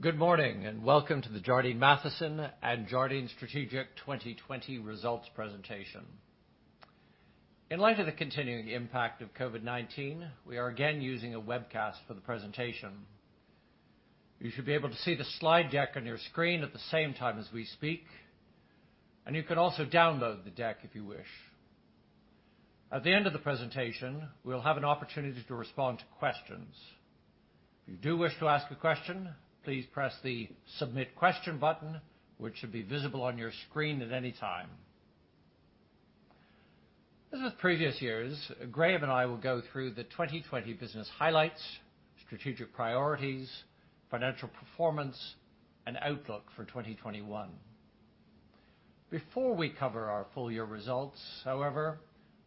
Good morning and welcome to the Jardine Matheson and Jardine Strategic 2020 results presentation. In light of the continuing impact of COVID-19, we are again using a webcast for the presentation. You should be able to see the slide deck on your screen at the same time as we speak, and you can also download the deck if you wish. At the end of the presentation, we'll have an opportunity to respond to questions. If you do wish to ask a question, please press the Submit Question button, which should be visible on your screen at any time. As with previous years, Graham and I will go through the 2020 business highlights, strategic priorities, financial performance, and outlook for 2021. Before we cover our full-year results, however,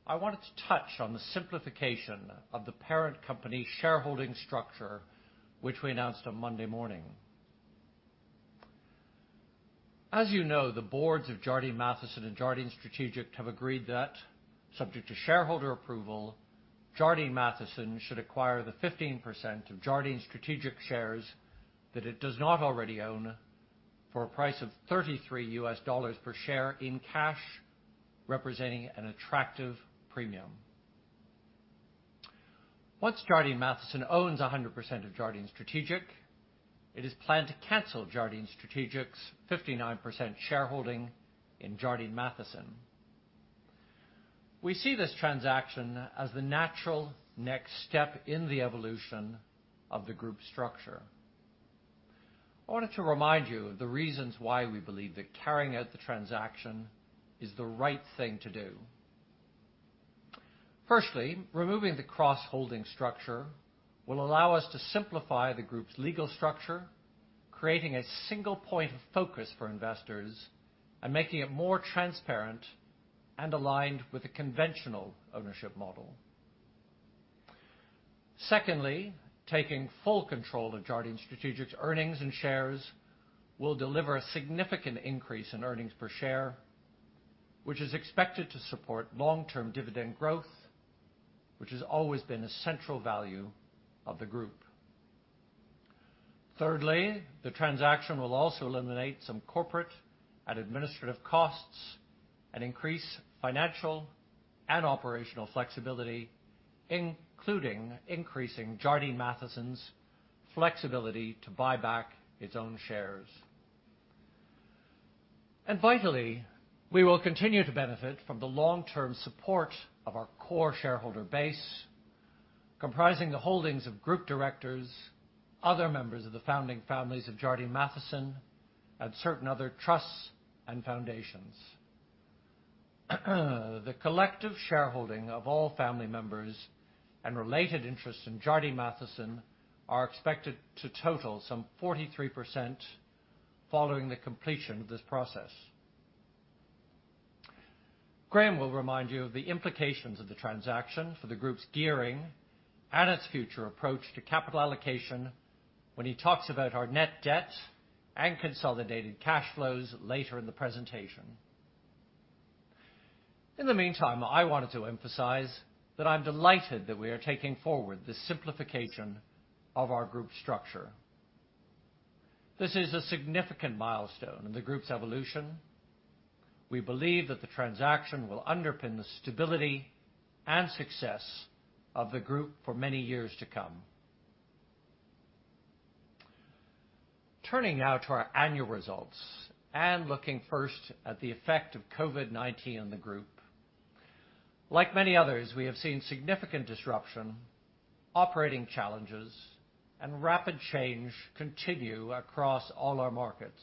I wanted to touch on the simplification of the parent company shareholding structure, which we announced on Monday morning. As you know, the boards of Jardine Matheson and Jardine Strategic have agreed that, subject to shareholder approval, Jardine Matheson should acquire the 15% of Jardine Strategic shares that it does not already own for a price of $33 per share in cash, representing an attractive premium. Once Jardine Matheson owns 100% of Jardine Strategic, it is planned to cancel Jardine Strategic's 59% shareholding in Jardine Matheson. We see this transaction as the natural next step in the evolution of the group structure. I wanted to remind you of the reasons why we believe that carrying out the transaction is the right thing to do. Firstly, removing the cross-holding structure will allow us to simplify the group's legal structure, creating a single point of focus for investors and making it more transparent and aligned with the conventional ownership model. Secondly, taking full control of Jardine Strategic's earnings and shares will deliver a significant increase in earnings per share, which is expected to support long-term dividend growth, which has always been a central value of the group. Thirdly, the transaction will also eliminate some corporate and administrative costs and increase financial and operational flexibility, including increasing Jardine Matheson's flexibility to buy back its own shares. Vitally, we will continue to benefit from the long-term support of our core shareholder base, comprising the holdings of group directors, other members of the founding families of Jardine Matheson, and certain other trusts and foundations. The collective shareholding of all family members and related interests in Jardine Matheson are expected to total some 43% following the completion of this process. Graham will remind you of the implications of the transaction for the group's gearing and its future approach to capital allocation when he talks about our net debt and consolidated cash flows later in the presentation. In the meantime, I wanted to emphasize that I'm delighted that we are taking forward the simplification of our group structure. This is a significant milestone in the group's evolution. We believe that the transaction will underpin the stability and success of the group for many years to come. Turning now to our annual results and looking first at the effect of COVID-19 on the group, like many others, we have seen significant disruption, operating challenges, and rapid change continue across all our markets.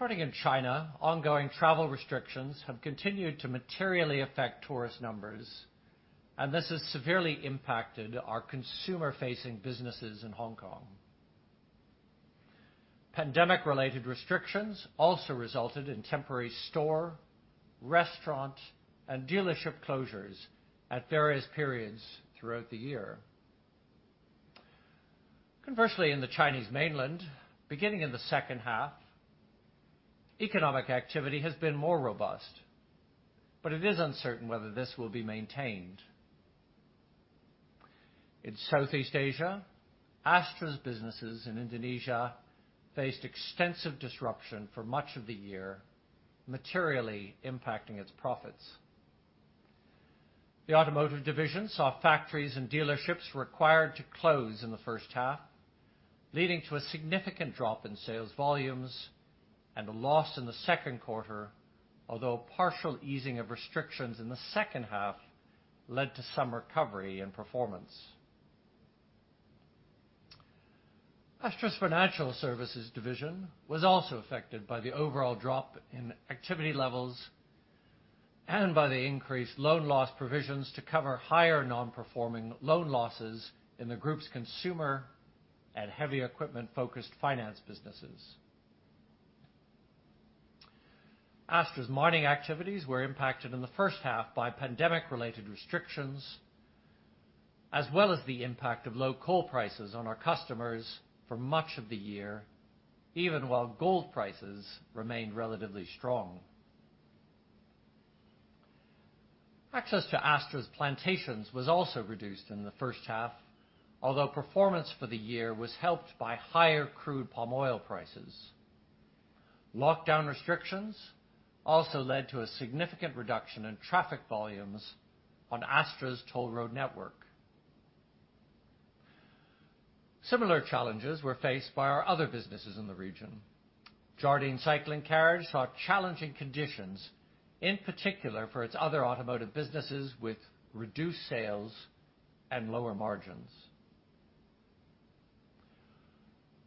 Starting in China, ongoing travel restrictions have continued to materially affect tourist numbers, and this has severely impacted our consumer-facing businesses in Hong Kong. Pandemic-related restrictions also resulted in temporary store, restaurant, and dealership closures at various periods throughout the year. Conversely, in the Chinese mainland, beginning in the second half, economic activity has been more robust, but it is uncertain whether this will be maintained. In Southeast Asia, Astra's businesses in Indonesia faced extensive disruption for much of the year, materially impacting its profits. The automotive division saw factories and dealerships required to close in the first half, leading to a significant drop in sales volumes and a loss in the second quarter, although a partial easing of restrictions in the second half led to some recovery in performance. Astra's financial services division was also affected by the overall drop in activity levels and by the increased loan loss provisions to cover higher non-performing loan losses in the group's consumer and heavy equipment-focused finance businesses. Astra's mining activities were impacted in the first half by pandemic-related restrictions, as well as the impact of low coal prices on our customers for much of the year, even while gold prices remained relatively strong. Access to Astra's plantations was also reduced in the first half, although performance for the year was helped by higher crude palm oil prices. Lockdown restrictions also led to a significant reduction in traffic volumes on Astra's toll road network. Similar challenges were faced by our other businesses in the region. Jardine Cycle & Carriage saw challenging conditions, in particular for its other automotive businesses, with reduced sales and lower margins.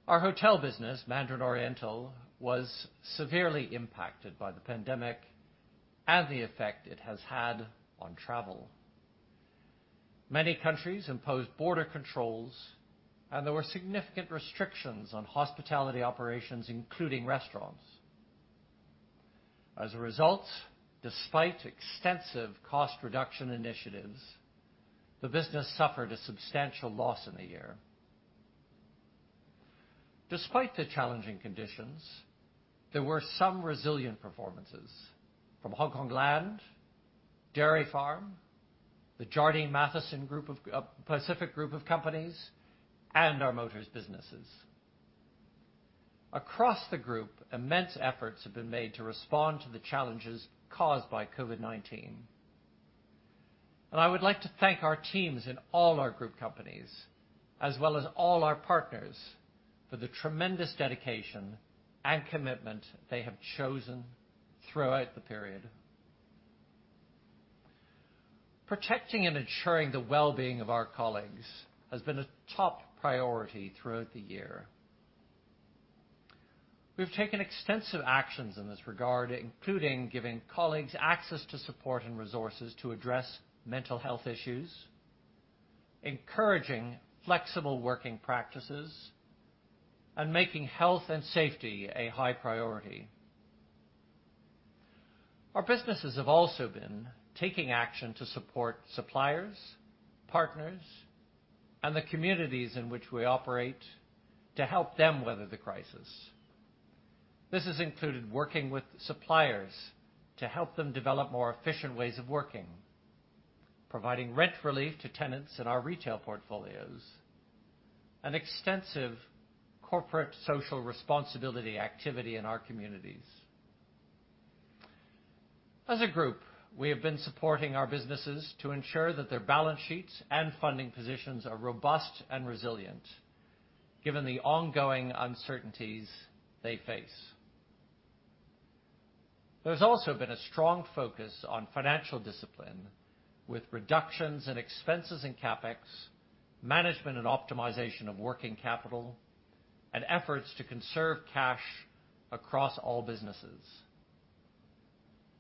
Our hotel business, Mandarin Oriental, was severely impacted by the pandemic and the effect it has had on travel. Many countries imposed border controls, and there were significant restrictions on hospitality operations, including restaurants. As a result, despite extensive cost reduction initiatives, the business suffered a substantial loss in the year. Despite the challenging conditions, there were some resilient performances from Hong Kong Land, Dairy Farm, the Jardine Matheson Pacific Group of companies, and our motors businesses. Across the group, immense efforts have been made to respond to the challenges caused by COVID-19. I would like to thank our teams in all our group companies, as well as all our partners, for the tremendous dedication and commitment they have chosen throughout the period. Protecting and ensuring the well-being of our colleagues has been a top priority throughout the year. We've taken extensive actions in this regard, including giving colleagues access to support and resources to address mental health issues, encouraging flexible working practices, and making health and safety a high priority. Our businesses have also been taking action to support suppliers, partners, and the communities in which we operate to help them weather the crisis. This has included working with suppliers to help them develop more efficient ways of working, providing rent relief to tenants in our retail portfolios, and extensive corporate social responsibility activity in our communities. As a group, we have been supporting our businesses to ensure that their balance sheets and funding positions are robust and resilient, given the ongoing uncertainties they face. There has also been a strong focus on financial discipline, with reductions in expenses and CapEx, management and optimization of working capital, and efforts to conserve cash across all businesses.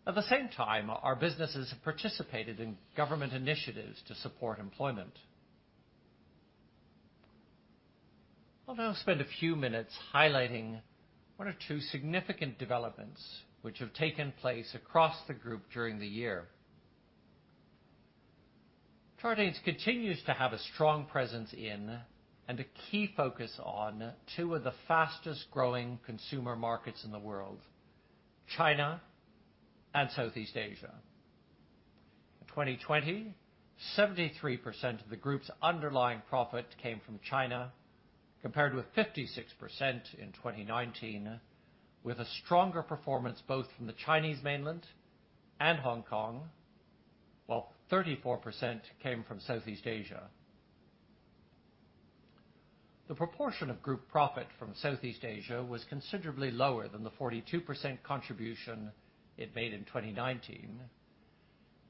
At the same time, our businesses have participated in government initiatives to support employment. I'll now spend a few minutes highlighting one or two significant developments which have taken place across the group during the year. Jardine's continues to have a strong presence in and a key focus on two of the fastest-growing consumer markets in the world, China and Southeast Asia. In 2020, 73% of the group's underlying profit came from China, compared with 56% in 2019, with a stronger performance both from the Chinese mainland and Hong Kong, while 34% came from Southeast Asia. The proportion of group profit from Southeast Asia was considerably lower than the 42% contribution it made in 2019,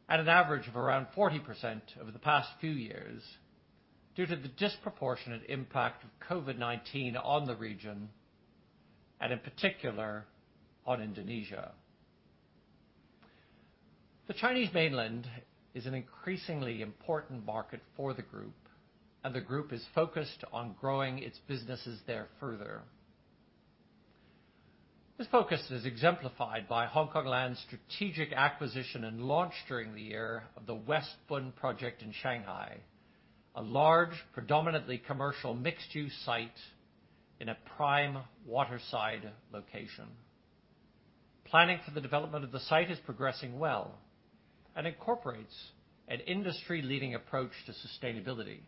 at an average of around 40% over the past few years, due to the disproportionate impact of COVID-19 on the region, and in particular on Indonesia. The Chinese mainland is an increasingly important market for the group, and the group is focused on growing its businesses there further. This focus is exemplified by Hong Kong Land's strategic acquisition and launch during the year of the West Bund Project in Shanghai, a large, predominantly commercial mixed-use site in a prime waterside location. Planning for the development of the site is progressing well and incorporates an industry-leading approach to sustainability.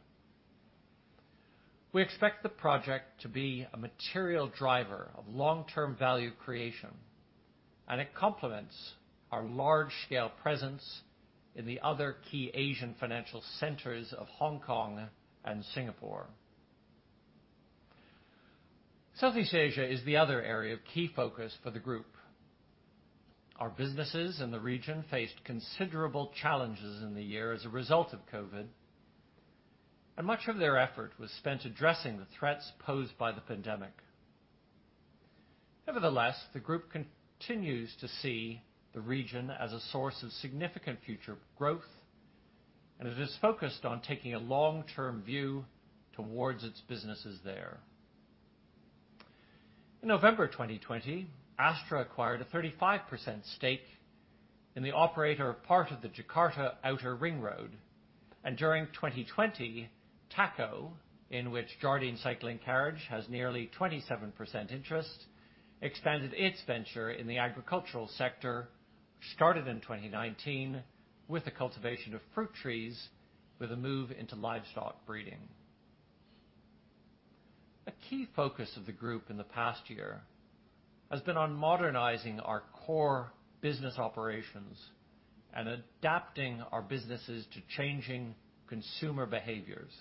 We expect the project to be a material driver of long-term value creation, and it complements our large-scale presence in the other key Asian financial centers of Hong Kong and Singapore. Southeast Asia is the other area of key focus for the group. Our businesses in the region faced considerable challenges in the year as a result of COVID, and much of their effort was spent addressing the threats posed by the pandemic. Nevertheless, the group continues to see the region as a source of significant future growth, and it is focused on taking a long-term view towards its businesses there. In November 2020, Astra acquired a 35% stake in the operator of part of the Jakarta Outer Ring Road, and during 2020, Taco, in which Jardine Cycle & Carriage has nearly 27% interest, expanded its venture in the agricultural sector, which started in 2019 with the cultivation of fruit trees, with a move into livestock breeding. A key focus of the group in the past year has been on modernizing our core business operations and adapting our businesses to changing consumer behaviors.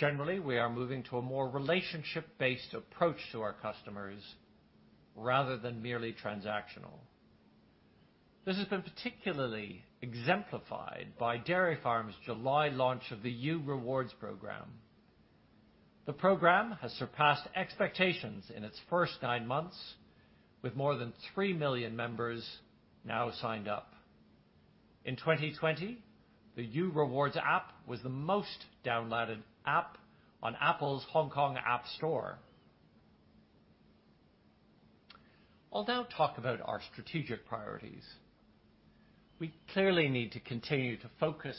Generally, we are moving to a more relationship-based approach to our customers rather than merely transactional. This has been particularly exemplified by Dairy Farm's July launch of the U Rewards program. The program has surpassed expectations in its first nine months, with more than 3 million members now signed up. In 2020, the U Rewards app was the most downloaded app on Apple's Hong Kong App Store. I'll now talk about our strategic priorities. We clearly need to continue to focus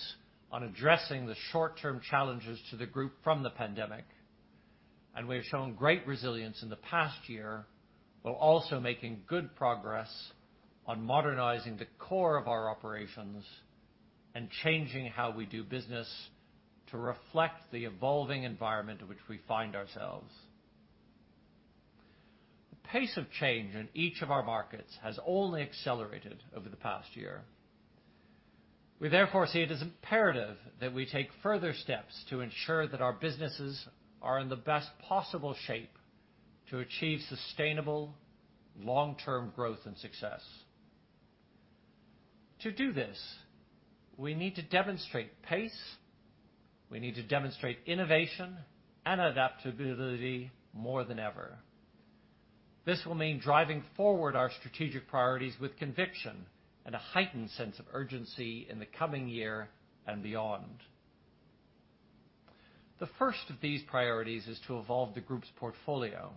on addressing the short-term challenges to the group from the pandemic, and we have shown great resilience in the past year while also making good progress on modernizing the core of our operations and changing how we do business to reflect the evolving environment in which we find ourselves. The pace of change in each of our markets has only accelerated over the past year. We therefore see it as imperative that we take further steps to ensure that our businesses are in the best possible shape to achieve sustainable long-term growth and success. To do this, we need to demonstrate pace. We need to demonstrate innovation and adaptability more than ever. This will mean driving forward our strategic priorities with conviction and a heightened sense of urgency in the coming year and beyond. The first of these priorities is to evolve the group's portfolio.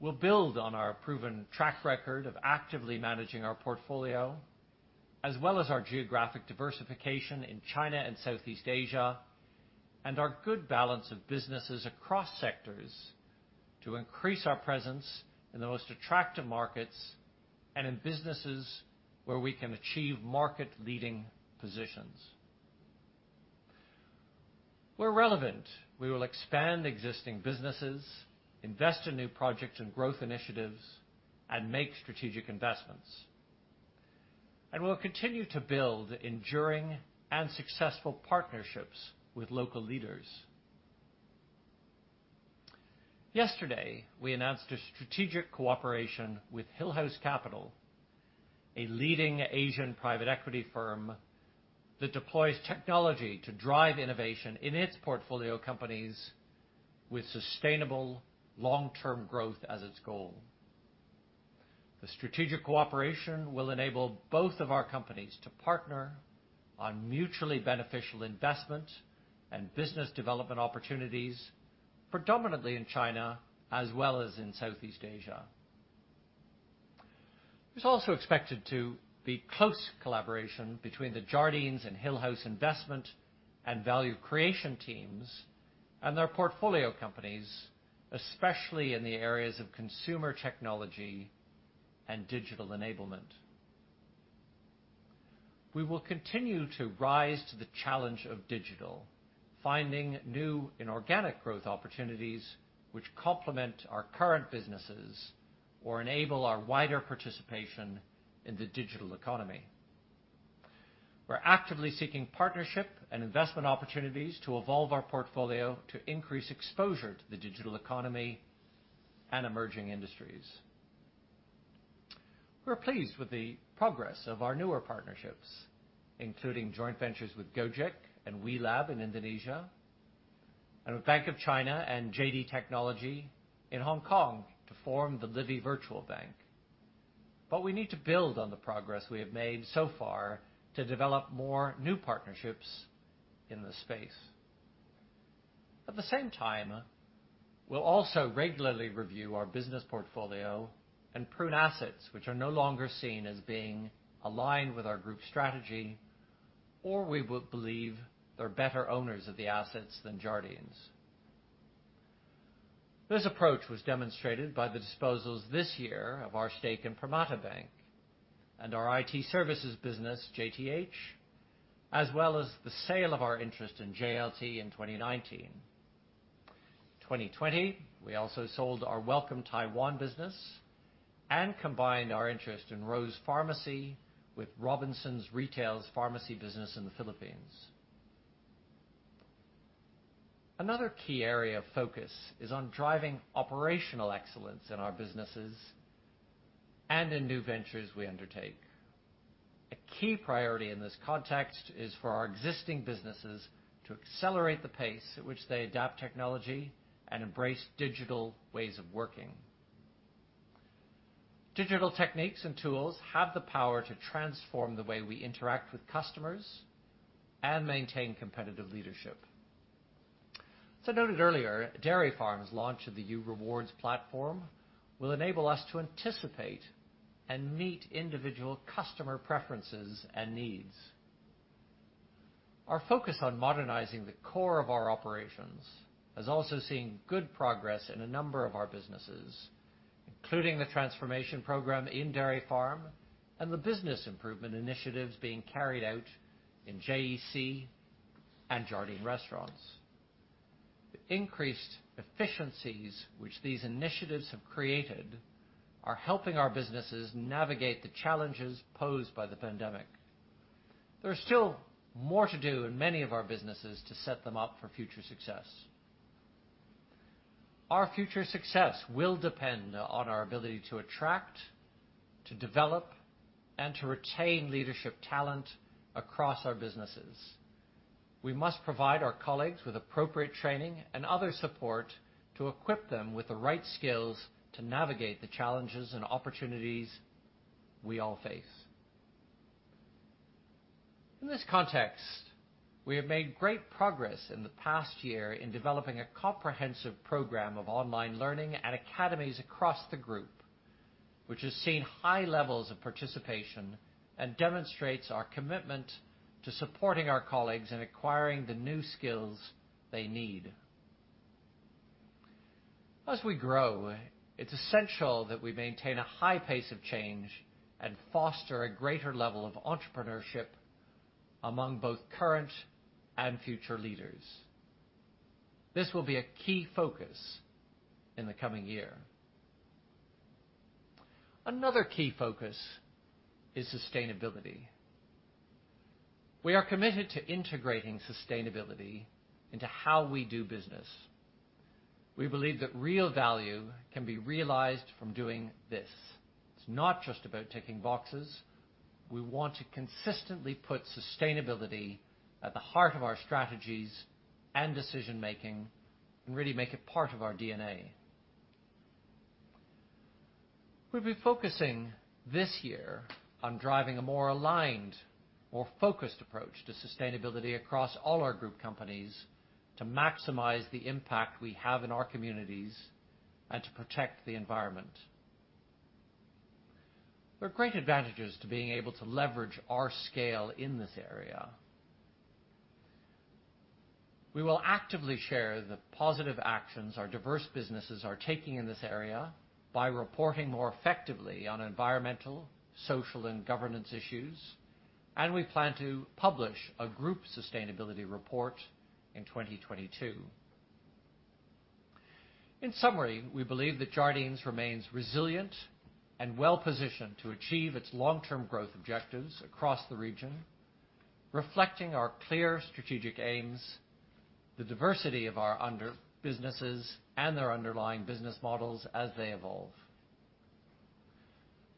We'll build on our proven track record of actively managing our portfolio, as well as our geographic diversification in China and Southeast Asia, and our good balance of businesses across sectors to increase our presence in the most attractive markets and in businesses where we can achieve market-leading positions. Where relevant, we will expand existing businesses, invest in new projects and growth initiatives, and make strategic investments. We'll continue to build enduring and successful partnerships with local leaders. Yesterday, we announced a strategic cooperation with Hillhouse Capital, a leading Asian private equity firm that deploys technology to drive innovation in its portfolio companies, with sustainable long-term growth as its goal. The strategic cooperation will enable both of our companies to partner on mutually beneficial investment and business development opportunities, predominantly in China as well as in Southeast Asia. There is also expected to be close collaboration between the Jardine's and Hillhouse Investment and Value Creation teams and their portfolio companies, especially in the areas of consumer technology and digital enablement. We will continue to rise to the challenge of digital, finding new inorganic growth opportunities which complement our current businesses or enable our wider participation in the digital economy. We are actively seeking partnership and investment opportunities to evolve our portfolio to increase exposure to the digital economy and emerging industries. We're pleased with the progress of our newer partnerships, including joint ventures with Gojek and WeLab in Indonesia, and with Bank of China and JD Technology in Hong Kong to form the Livi Virtual Bank. We need to build on the progress we have made so far to develop more new partnerships in the space. At the same time, we'll also regularly review our business portfolio and prune assets which are no longer seen as being aligned with our group strategy, or we would believe there are better owners of the assets than Jardine's. This approach was demonstrated by the disposals this year of our stake in Permata Bank and our IT services business, JTH, as well as the sale of our interest in JLT in 2019. In 2020, we also sold our Welcome Taiwan business and combined our interest in Rose Pharmacy with Robinsons Retail's pharmacy business in the Philippines. Another key area of focus is on driving operational excellence in our businesses and in new ventures we undertake. A key priority in this context is for our existing businesses to accelerate the pace at which they adapt technology and embrace digital ways of working. Digital techniques and tools have the power to transform the way we interact with customers and maintain competitive leadership. As I noted earlier, Dairy Farm's launch of the U Rewards platform will enable us to anticipate and meet individual customer preferences and needs. Our focus on modernizing the core of our operations has also seen good progress in a number of our businesses, including the transformation program in Dairy Farm and the business improvement initiatives being carried out in JEC and Jardine Restaurants. The increased efficiencies which these initiatives have created are helping our businesses navigate the challenges posed by the pandemic. There is still more to do in many of our businesses to set them up for future success. Our future success will depend on our ability to attract, to develop, and to retain leadership talent across our businesses. We must provide our colleagues with appropriate training and other support to equip them with the right skills to navigate the challenges and opportunities we all face. In this context, we have made great progress in the past year in developing a comprehensive program of online learning and academies across the group, which has seen high levels of participation and demonstrates our commitment to supporting our colleagues in acquiring the new skills they need. As we grow, it's essential that we maintain a high pace of change and foster a greater level of entrepreneurship among both current and future leaders. This will be a key focus in the coming year. Another key focus is sustainability. We are committed to integrating sustainability into how we do business. We believe that real value can be realized from doing this. It's not just about ticking boxes. We want to consistently put sustainability at the heart of our strategies and decision-making and really make it part of our DNA. We'll be focusing this year on driving a more aligned, more focused approach to sustainability across all our group companies to maximize the impact we have in our communities and to protect the environment. There are great advantages to being able to leverage our scale in this area. We will actively share the positive actions our diverse businesses are taking in this area by reporting more effectively on environmental, social, and governance issues, and we plan to publish a group sustainability report in 2022. In summary, we believe that Jardine's remains resilient and well-positioned to achieve its long-term growth objectives across the region, reflecting our clear strategic aims, the diversity of our businesses, and their underlying business models as they evolve.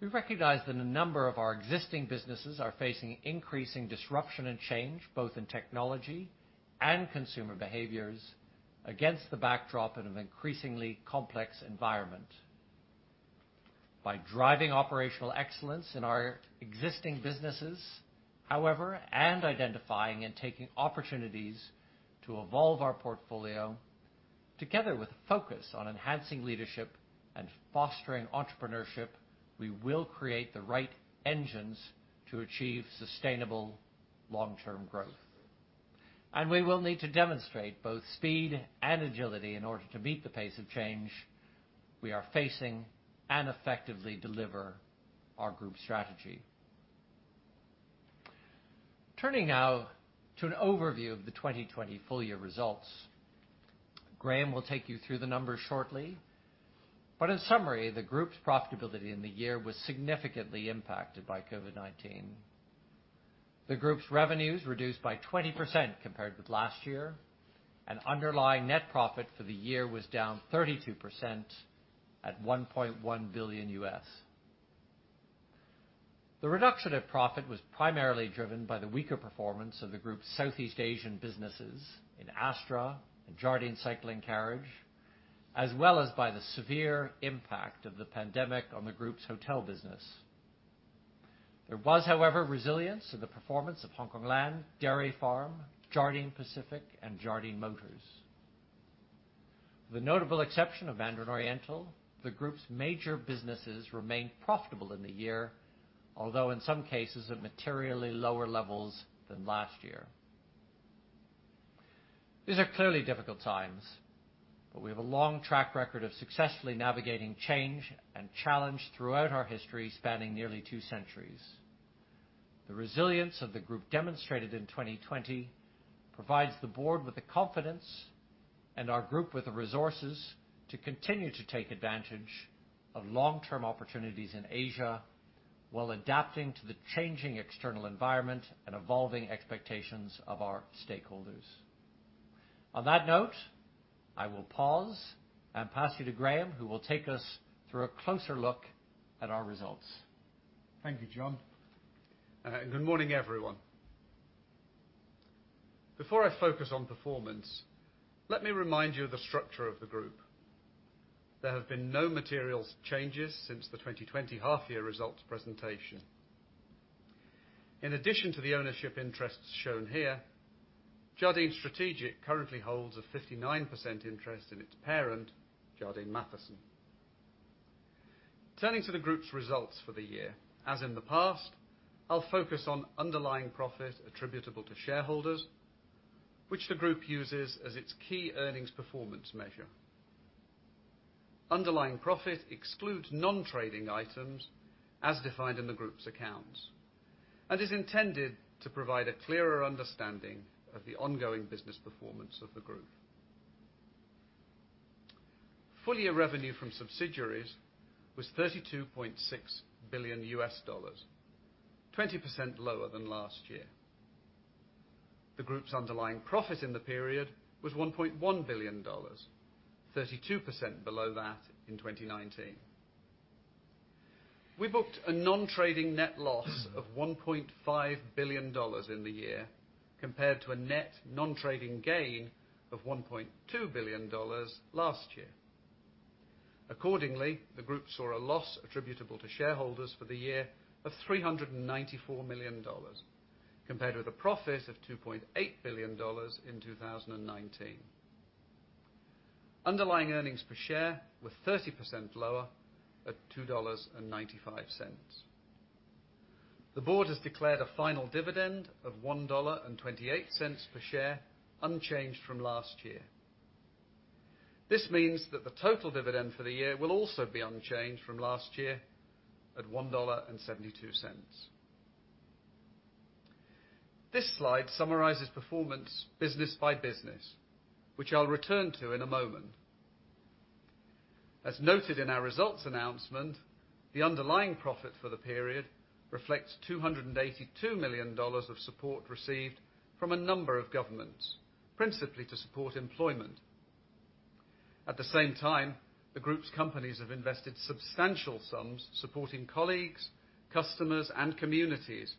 We recognize that a number of our existing businesses are facing increasing disruption and change, both in technology and consumer behaviors, against the backdrop of an increasingly complex environment. By driving operational excellence in our existing businesses, however, and identifying and taking opportunities to evolve our portfolio, together with a focus on enhancing leadership and fostering entrepreneurship, we will create the right engines to achieve sustainable long-term growth. We will need to demonstrate both speed and agility in order to meet the pace of change we are facing and effectively deliver our group strategy. Turning now to an overview of the 2020 full-year results, Graham will take you through the numbers shortly. In summary, the group's profitability in the year was significantly impacted by COVID-19. The group's revenues reduced by 20% compared with last year, and underlying net profit for the year was down 32% at $1.1 billion. The reduction in profit was primarily driven by the weaker performance of the group's Southeast Asian businesses in Astra and Jardine Cycle & Carriage, as well as by the severe impact of the pandemic on the group's hotel business. There was, however, resilience in the performance of Hong Kong Land, Dairy Farm, Jardine Pacific, and Jardine Motors. With the notable exception of Mandarin Oriental, the group's major businesses remained profitable in the year, although in some cases at materially lower levels than last year. These are clearly difficult times, but we have a long track record of successfully navigating change and challenge throughout our history spanning nearly two centuries. The resilience of the group demonstrated in 2020 provides the board with the confidence and our group with the resources to continue to take advantage of long-term opportunities in Asia while adapting to the changing external environment and evolving expectations of our stakeholders. On that note, I will pause and pass you to Graham, who will take us through a closer look at our results. Thank you, John. Good morning, everyone. Before I focus on performance, let me remind you of the structure of the group. There have been no material changes since the 2020 half-year results presentation. In addition to the ownership interests shown here, Jardine Strategic currently holds a 59% interest in its parent, Jardine Matheson. Turning to the group's results for the year, as in the past, I'll focus on underlying profit attributable to shareholders, which the group uses as its key earnings performance measure. Underlying profit excludes non-trading items as defined in the group's accounts and is intended to provide a clearer understanding of the ongoing business performance of the group. Full-year revenue from subsidiaries was $32.6 billion, 20% lower than last year. The group's underlying profit in the period was $1.1 billion, 32% below that in 2019. We booked a non-trading net loss of $1.5 billion in the year compared to a net non-trading gain of $1.2 billion last year. Accordingly, the group saw a loss attributable to shareholders for the year of $394 million compared with a profit of $2.8 billion in 2019. Underlying earnings per share were 30% lower at $2.95. The board has declared a final dividend of $1.28 per share, unchanged from last year. This means that the total dividend for the year will also be unchanged from last year at $1.72. This slide summarizes performance business by business, which I'll return to in a moment. As noted in our results announcement, the underlying profit for the period reflects $282 million of support received from a number of governments, principally to support employment. At the same time, the group's companies have invested substantial sums supporting colleagues, customers, and communities,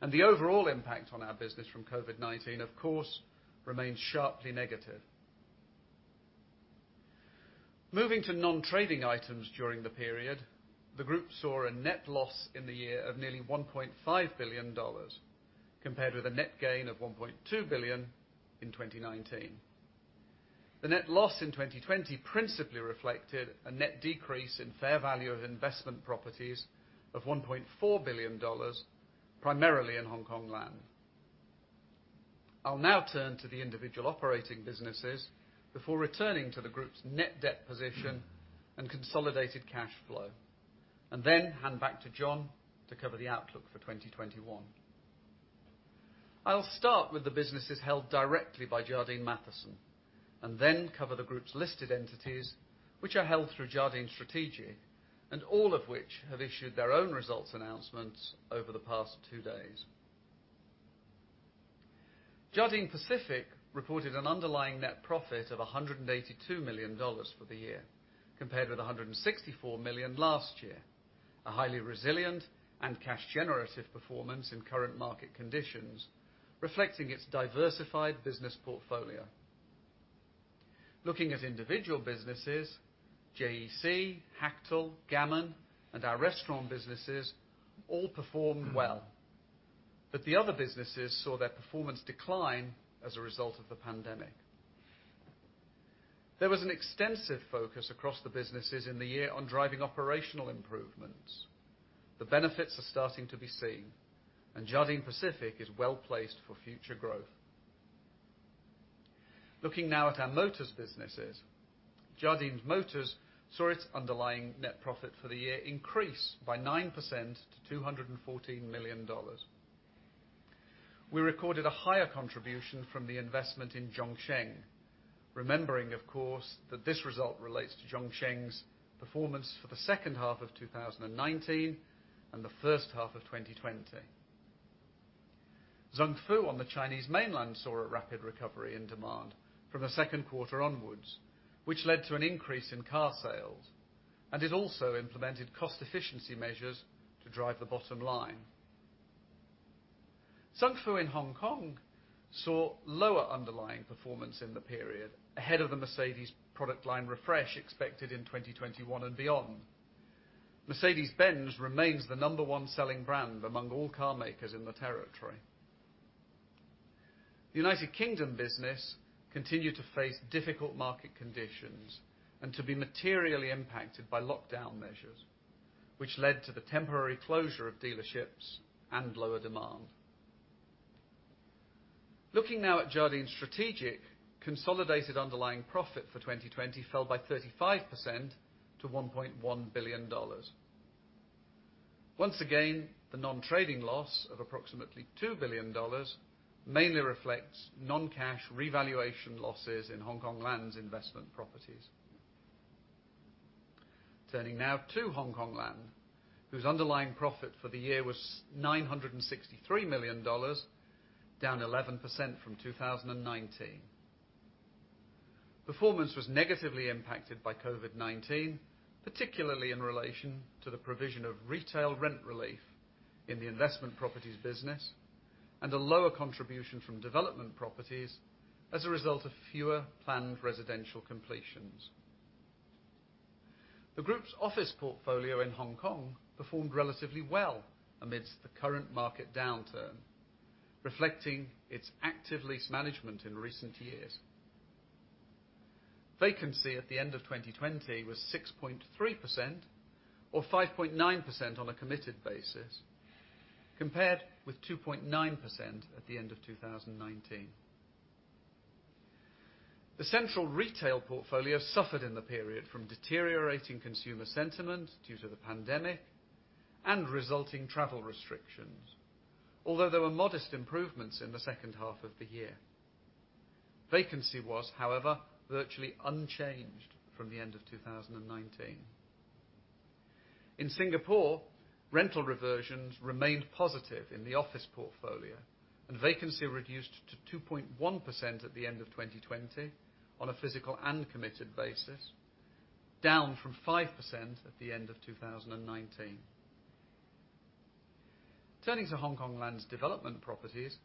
and the overall impact on our business from COVID-19, of course, remains sharply negative. Moving to non-trading items during the period, the group saw a net loss in the year of nearly $1.5 billion compared with a net gain of $1.2 billion in 2019. The net loss in 2020 principally reflected a net decrease in fair value of investment properties of $1.4 billion, primarily in Hong Kong Land. I'll now turn to the individual operating businesses before returning to the group's net debt position and consolidated cash flow, and then hand back to John to cover the outlook for 2021. I'll start with the businesses held directly by Jardine Matheson and then cover the group's listed entities, which are held through Jardine Strategic, and all of which have issued their own results announcements over the past two days. Jardine Pacific reported an underlying net profit of $182 million for the year compared with $164 million last year, a highly resilient and cash-generative performance in current market conditions reflecting its diversified business portfolio. Looking at individual businesses, JEC, Hactl, Gammon, and our restaurant businesses all performed well, but the other businesses saw their performance decline as a result of the pandemic. There was an extensive focus across the businesses in the year on driving operational improvements. The benefits are starting to be seen, and Jardine Pacific is well placed for future growth. Looking now at our motors businesses, Jardine Motors saw its underlying net profit for the year increase by 9% to $214 million. We recorded a higher contribution from the investment in Zhongsheng, remembering, of course, that this result relates to Zhongsheng's performance for the second half of 2019 and the first half of 2020. Zhongsheng on the Chinese mainland saw a rapid recovery in demand from the second quarter onwards, which led to an increase in car sales, and it also implemented cost-efficiency measures to drive the bottom line. Jardine Motors in Hong Kong saw lower underlying performance in the period ahead of the Mercedes-Benz product line refresh expected in 2021 and beyond. Mercedes-Benz remains the number one selling brand among all car makers in the territory. The United Kingdom business continued to face difficult market conditions and to be materially impacted by lockdown measures, which led to the temporary closure of dealerships and lower demand. Looking now at Jardine Strategic, consolidated underlying profit for 2020 fell by 35% to $1.1 billion. Once again, the non-trading loss of approximately $2 billion mainly reflects non-cash revaluation losses in Hong Kong Land's investment properties. Turning now to Hong Kong Land, whose underlying profit for the year was $963 million, down 11% from 2019. Performance was negatively impacted by COVID-19, particularly in relation to the provision of retail rent relief in the investment properties business and a lower contribution from development properties as a result of fewer planned residential completions. The group's office portfolio in Hong Kong performed relatively well amidst the current market downturn, reflecting its active lease management in recent years. Vacancy at the end of 2020 was 6.3% or 5.9% on a committed basis compared with 2.9% at the end of 2019. The central retail portfolio suffered in the period from deteriorating consumer sentiment due to the pandemic and resulting travel restrictions, although there were modest improvements in the second half of the year. Vacancy was, however, virtually unchanged from the end of 2019. In Singapore, rental reversions remained positive in the office portfolio, and vacancy reduced to 2.1% at the end of 2020 on a physical and committed basis, down from 5% at the end of 2019. Turning to Hong Kong Land's development properties,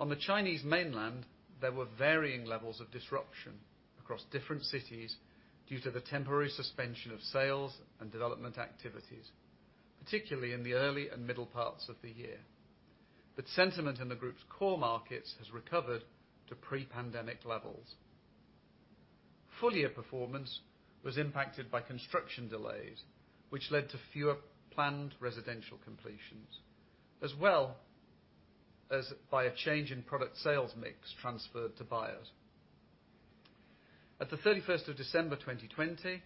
on the Chinese mainland, there were varying levels of disruption across different cities due to the temporary suspension of sales and development activities, particularly in the early and middle parts of the year, but sentiment in the group's core markets has recovered to pre-pandemic levels. Full-year performance was impacted by construction delays, which led to fewer planned residential completions, as well as by a change in product sales mix transferred to buyers. At December 31, 2020,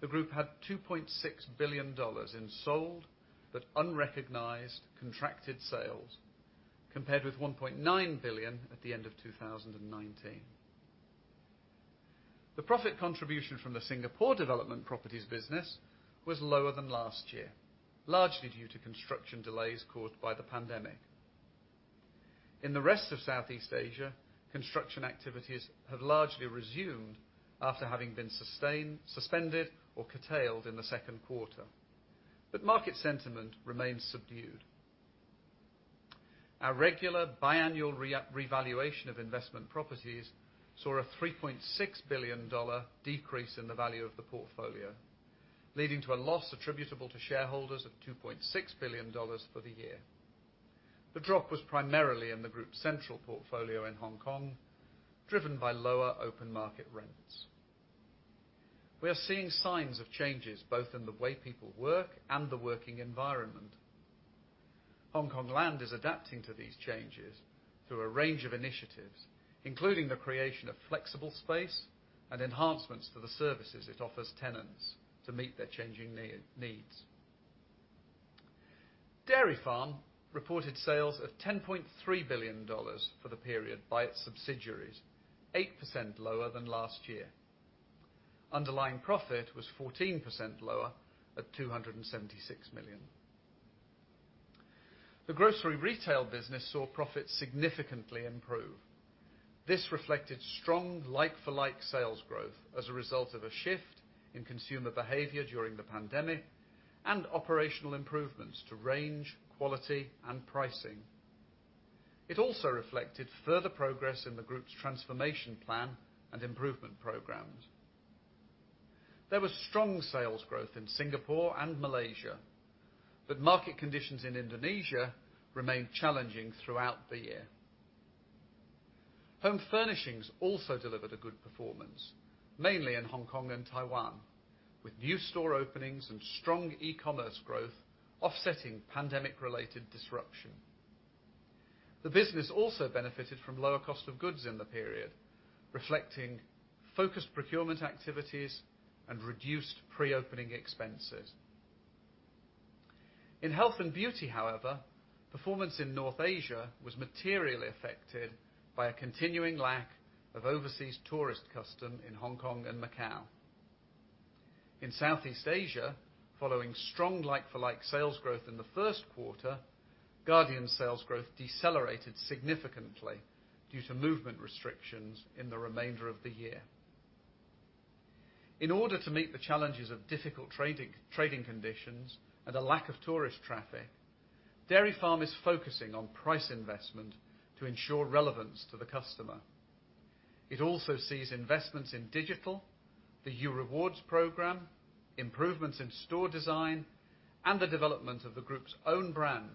the group had $2.6 billion in sold but unrecognized contracted sales compared with $1.9 billion at the end of 2019. The profit contribution from the Singapore development properties business was lower than last year, largely due to construction delays caused by the pandemic. In the rest of Southeast Asia, construction activities have largely resumed after having been suspended or curtailed in the second quarter, but market sentiment remains subdued. Our regular biannual revaluation of investment properties saw a $3.6 billion decrease in the value of the portfolio, leading to a loss attributable to shareholders of $2.6 billion for the year. The drop was primarily in the group's central portfolio in Hong Kong, driven by lower open market rents. We are seeing signs of changes both in the way people work and the working environment. Hong Kong Land is adapting to these changes through a range of initiatives, including the creation of flexible space and enhancements to the services it offers tenants to meet their changing needs. Dairy Farm reported sales of $10.3 billion for the period by its subsidiaries, 8% lower than last year. Underlying profit was 14% lower at $276 million. The grocery retail business saw profits significantly improve. This reflected strong like-for-like sales growth as a result of a shift in consumer behavior during the pandemic and operational improvements to range, quality, and pricing. It also reflected further progress in the group's transformation plan and improvement programs. There was strong sales growth in Singapore and Malaysia, but market conditions in Indonesia remained challenging throughout the year. Home furnishings also delivered a good performance, mainly in Hong Kong and Taiwan, with new store openings and strong e-commerce growth offsetting pandemic-related disruption. The business also benefited from lower cost of goods in the period, reflecting focused procurement activities and reduced pre-opening expenses. In health and beauty, however, performance in North Asia was materially affected by a continuing lack of overseas tourist custom in Hong Kong and Macau. In Southeast Asia, following strong like-for-like sales growth in the first quarter, Guardian's sales growth decelerated significantly due to movement restrictions in the remainder of the year. In order to meet the challenges of difficult trading conditions and a lack of tourist traffic, Dairy Farm is focusing on price investment to ensure relevance to the customer. It also sees investments in digital, the U Rewards program, improvements in store design, and the development of the group's own brand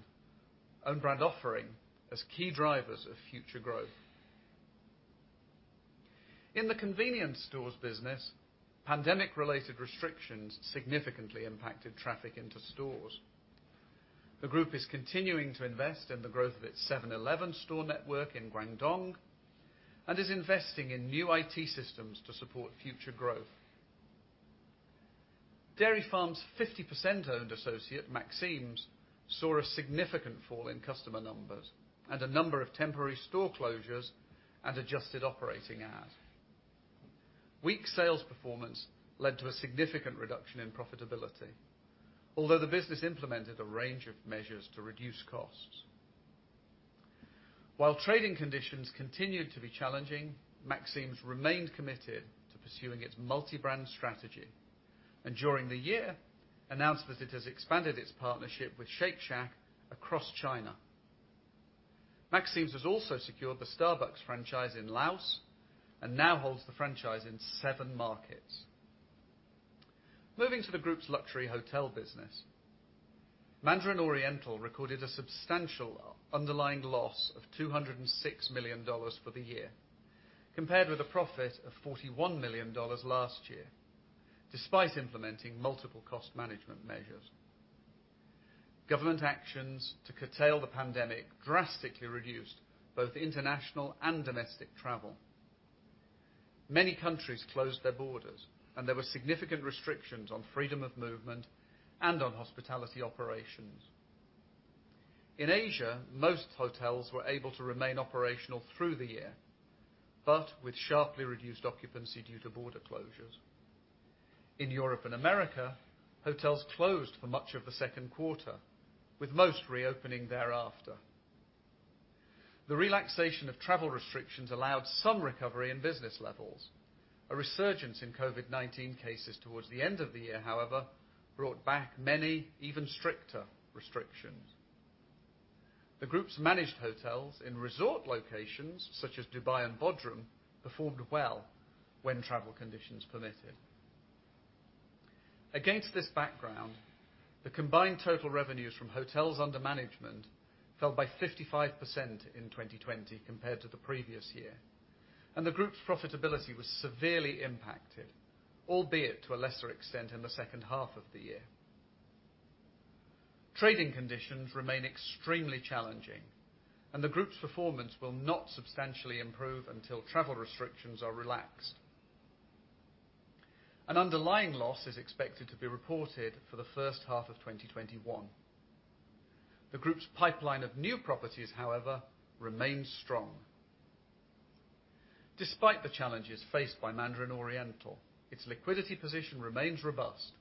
offering as key drivers of future growth. In the convenience stores business, pandemic-related restrictions significantly impacted traffic into stores. The group is continuing to invest in the growth of its 7-Eleven store network in Guangdong and is investing in new IT systems to support future growth. Dairy Farm's 50% owned associate, Maxim's, saw a significant fall in customer numbers and a number of temporary store closures and adjusted operating hours. Weak sales performance led to a significant reduction in profitability, although the business implemented a range of measures to reduce costs. While trading conditions continued to be challenging, Maxim's remained committed to pursuing its multi-brand strategy and during the year announced that it has expanded its partnership with Shake Shack across China. Maxim's has also secured the Starbucks franchise in Laos and now holds the franchise in seven markets. Moving to the group's luxury hotel business, Mandarin Oriental recorded a substantial underlying loss of $206 million for the year compared with a profit of $41 million last year, despite implementing multiple cost management measures. Government actions to curtail the pandemic drastically reduced both international and domestic travel. Many countries closed their borders, and there were significant restrictions on freedom of movement and on hospitality operations. In Asia, most hotels were able to remain operational through the year, but with sharply reduced occupancy due to border closures. In Europe and America, hotels closed for much of the second quarter, with most reopening thereafter. The relaxation of travel restrictions allowed some recovery in business levels. A resurgence in COVID-19 cases towards the end of the year, however, brought back many, even stricter restrictions. The group's managed hotels in resort locations, such as Dubai and Bodrum, performed well when travel conditions permitted. Against this background, the combined total revenues from hotels under management fell by 55% in 2020 compared to the previous year, and the group's profitability was severely impacted, albeit to a lesser extent in the second half of the year. Trading conditions remain extremely challenging, and the group's performance will not substantially improve until travel restrictions are relaxed. An underlying loss is expected to be reported for the first half of 2021. The group's pipeline of new properties, however, remains strong. Despite the challenges faced by Mandarin Oriental, its liquidity position remains robust,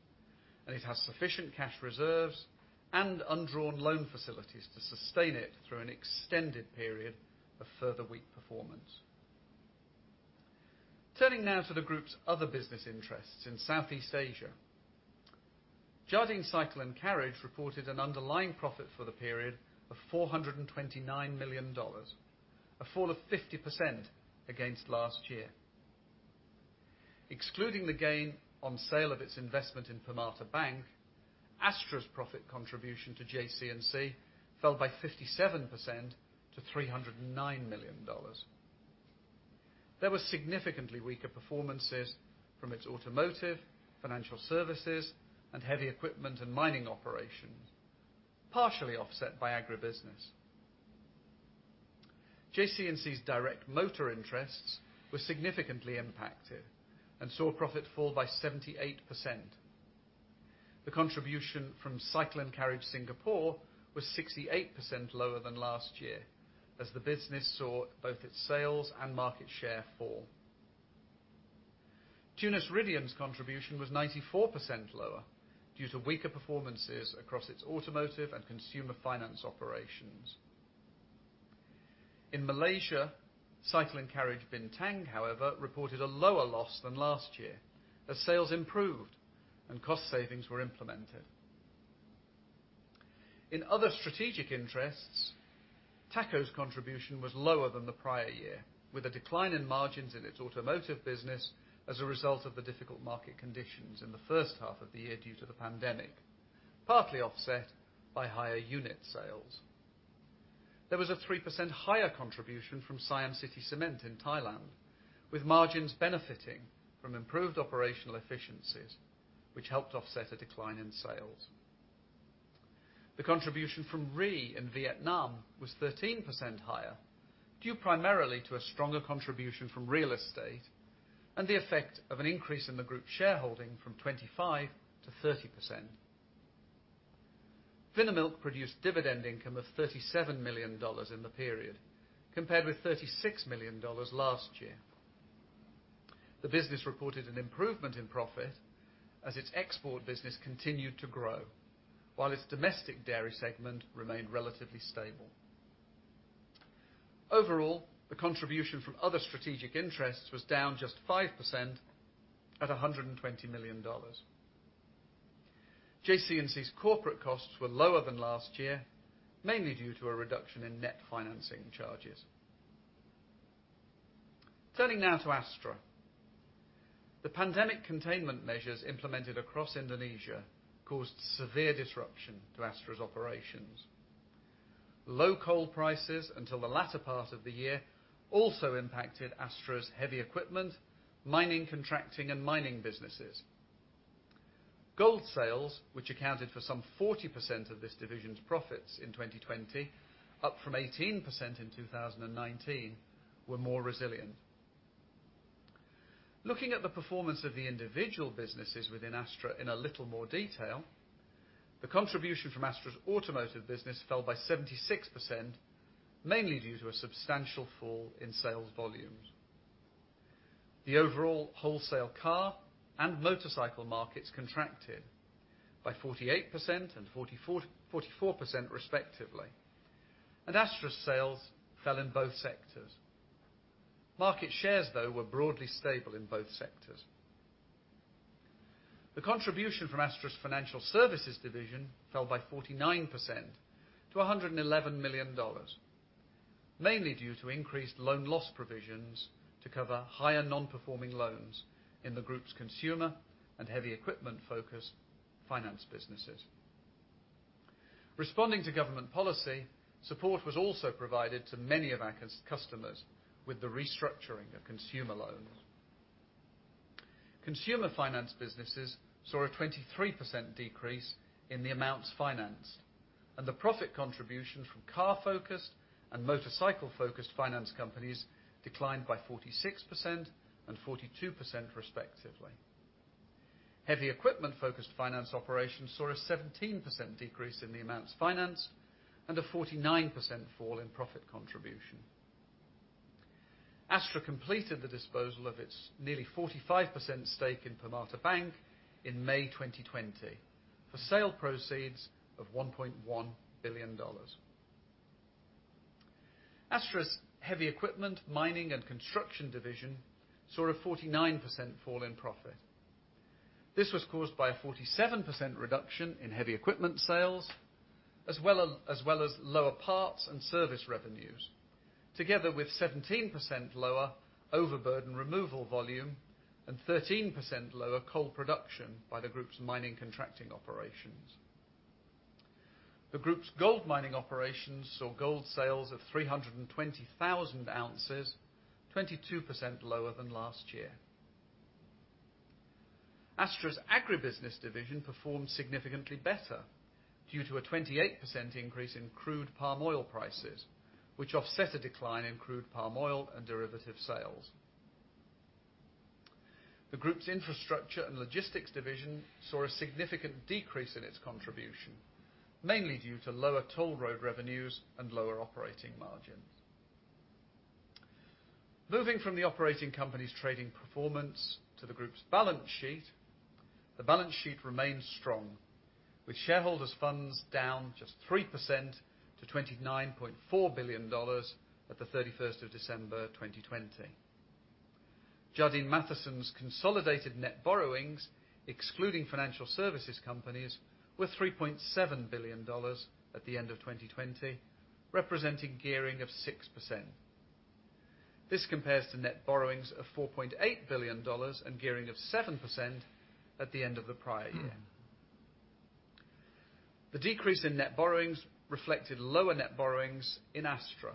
and it has sufficient cash reserves and undrawn loan facilities to sustain it through an extended period of further weak performance. Turning now to the group's other business interests in Southeast Asia, Jardine Cycle & Carriage reported an underlying profit for the period of $429 million, a fall of 50% against last year. Excluding the gain on sale of its investment in Permata Bank, Astra's profit contribution to JC&C fell by 57% to $309 million. There were significantly weaker performances from its automotive, financial services, and heavy equipment and mining operations, partially offset by agribusiness. JC&C's direct motor interests were significantly impacted and saw profit fall by 78%. The contribution from Cycle & Carriage Singapore was 68% lower than last year, as the business saw both its sales and market share fall. Tunas Ridean's contribution was 94% lower due to weaker performances across its automotive and consumer finance operations. In Malaysia, Cycle & Carriage Bintang, however, reported a lower loss than last year, as sales improved and cost savings were implemented. In other strategic interests, Taco's contribution was lower than the prior year, with a decline in margins in its automotive business as a result of the difficult market conditions in the first half of the year due to the pandemic, partly offset by higher unit sales. There was a 3% higher contribution from Siam City Cement in Thailand, with margins benefiting from improved operational efficiencies, which helped offset a decline in sales. The contribution from RE in Vietnam was 13% higher, due primarily to a stronger contribution from real estate and the effect of an increase in the group's shareholding from 25% to 30%. Vinamilk produced dividend income of $37 million in the period, compared with $36 million last year. The business reported an improvement in profit as its export business continued to grow, while its domestic dairy segment remained relatively stable. Overall, the contribution from other strategic interests was down just 5% at $120 million. JCNC's corporate costs were lower than last year, mainly due to a reduction in net financing charges. Turning now to Astra, the pandemic containment measures implemented across Indonesia caused severe disruption to Astra's operations. Low coal prices until the latter part of the year also impacted Astra's heavy equipment, mining contracting, and mining businesses. Gold sales, which accounted for some 40% of this division's profits in 2020, up from 18% in 2019, were more resilient. Looking at the performance of the individual businesses within Astra in a little more detail, the contribution from Astra's automotive business fell by 76%, mainly due to a substantial fall in sales volumes. The overall wholesale car and motorcycle markets contracted by 48% and 44% respectively, and Astra's sales fell in both sectors. Market shares, though, were broadly stable in both sectors. The contribution from Astra's financial services division fell by 49% to $111 million, mainly due to increased loan loss provisions to cover higher non-performing loans in the group's consumer and heavy equipment-focused finance businesses. Responding to government policy, support was also provided to many of our customers with the restructuring of consumer loans. Consumer finance businesses saw a 23% decrease in the amounts financed, and the profit contributions from car-focused and motorcycle-focused finance companies declined by 46% and 42% respectively. Heavy equipment-focused finance operations saw a 17% decrease in the amounts financed and a 49% fall in profit contribution. Astra completed the disposal of its nearly 45% stake in Permata Bank in May 2020 for sale proceeds of $1.1 billion. Astra's heavy equipment, mining, and construction division saw a 49% fall in profit. This was caused by a 47% reduction in heavy equipment sales, as well as lower parts and service revenues, together with 17% lower overburden removal volume and 13% lower coal production by the group's mining contracting operations. The group's gold mining operations saw gold sales of 320,000 ounces, 22% lower than last year. Astra's agribusiness division performed significantly better due to a 28% increase in crude palm oil prices, which offset a decline in crude palm oil and derivative sales. The group's infrastructure and logistics division saw a significant decrease in its contribution, mainly due to lower toll road revenues and lower operating margins. Moving from the operating company's trading performance to the group's balance sheet, the balance sheet remained strong, with shareholders' funds down just 3% to $29.4 billion at the 31st of December 2020. Jardine Matheson's consolidated net borrowings, excluding financial services companies, were $3.7 billion at the end of 2020, representing gearing of 6%. This compares to net borrowings of $4.8 billion and gearing of 7% at the end of the prior year. The decrease in net borrowings reflected lower net borrowings in Astra,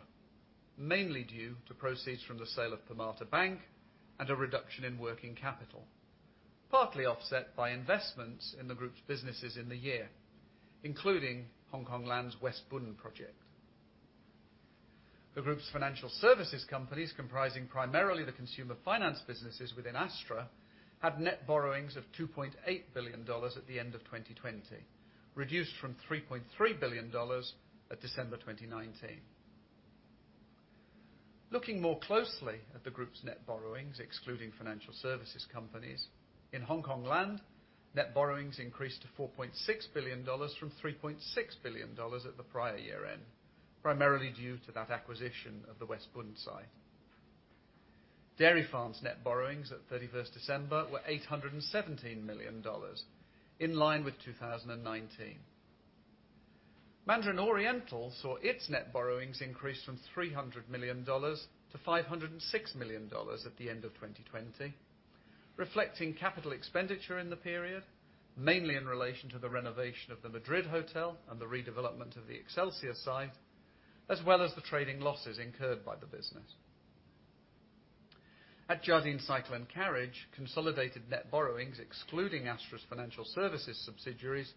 mainly due to proceeds from the sale of Permata Bank and a reduction in working capital, partly offset by investments in the group's businesses in the year, including Hong Kong Land's West Bund project. The group's financial services companies, comprising primarily the consumer finance businesses within Astra, had net borrowings of $2.8 billion at the end of 2020, reduced from $3.3 billion at December 2019. Looking more closely at the group's net borrowings, excluding financial services companies, in Hong Kong Land, net borrowings increased to $4.6 billion from $3.6 billion at the prior year-end, primarily due to that acquisition of the West Bund site. Dairy Farm's net borrowings at 31st December were $817 million, in line with 2019. Mandarin Oriental saw its net borrowings increase from $300 million to $506 million at the end of 2020, reflecting capital expenditure in the period, mainly in relation to the renovation of the Madrid Hotel and the redevelopment of the Excelsior site, as well as the trading losses incurred by the business. At Jardine Cycle & Carriage, consolidated net borrowings, excluding Astra's financial services subsidiaries,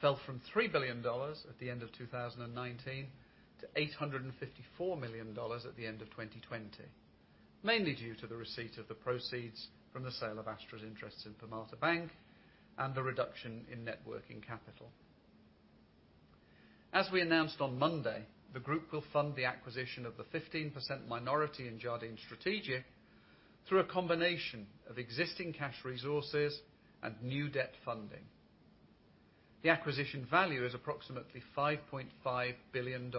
fell from $3 billion at the end of 2019 to $854 million at the end of 2020, mainly due to the receipt of the proceeds from the sale of Astra's interests in Permata Bank and the reduction in net working capital. As we announced on Monday, the group will fund the acquisition of the 15% minority in Jardine Strategic through a combination of existing cash resources and new debt funding. The acquisition value is approximately $5.5 billion.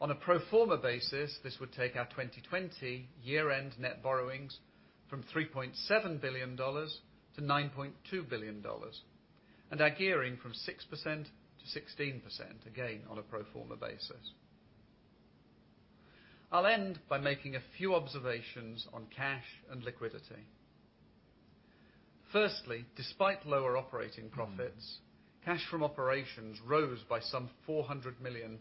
On a pro forma basis, this would take our 2020 year-end net borrowings from $3.7 billion to $9.2 billion, and our gearing from 6% to 16%, again on a pro forma basis. I'll end by making a few observations on cash and liquidity. Firstly, despite lower operating profits, cash from operations rose by some $400 million.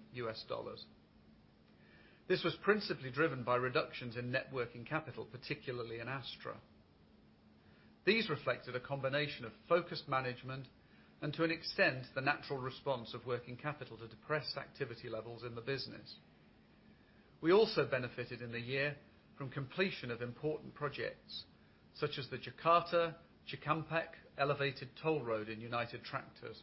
This was principally driven by reductions in net working capital, particularly in Astra. These reflected a combination of focused management and, to an extent, the natural response of working capital to depressed activity levels in the business. We also benefited in the year from completion of important projects, such as the Jakarta-Chakanpek elevated toll road in United Tractors.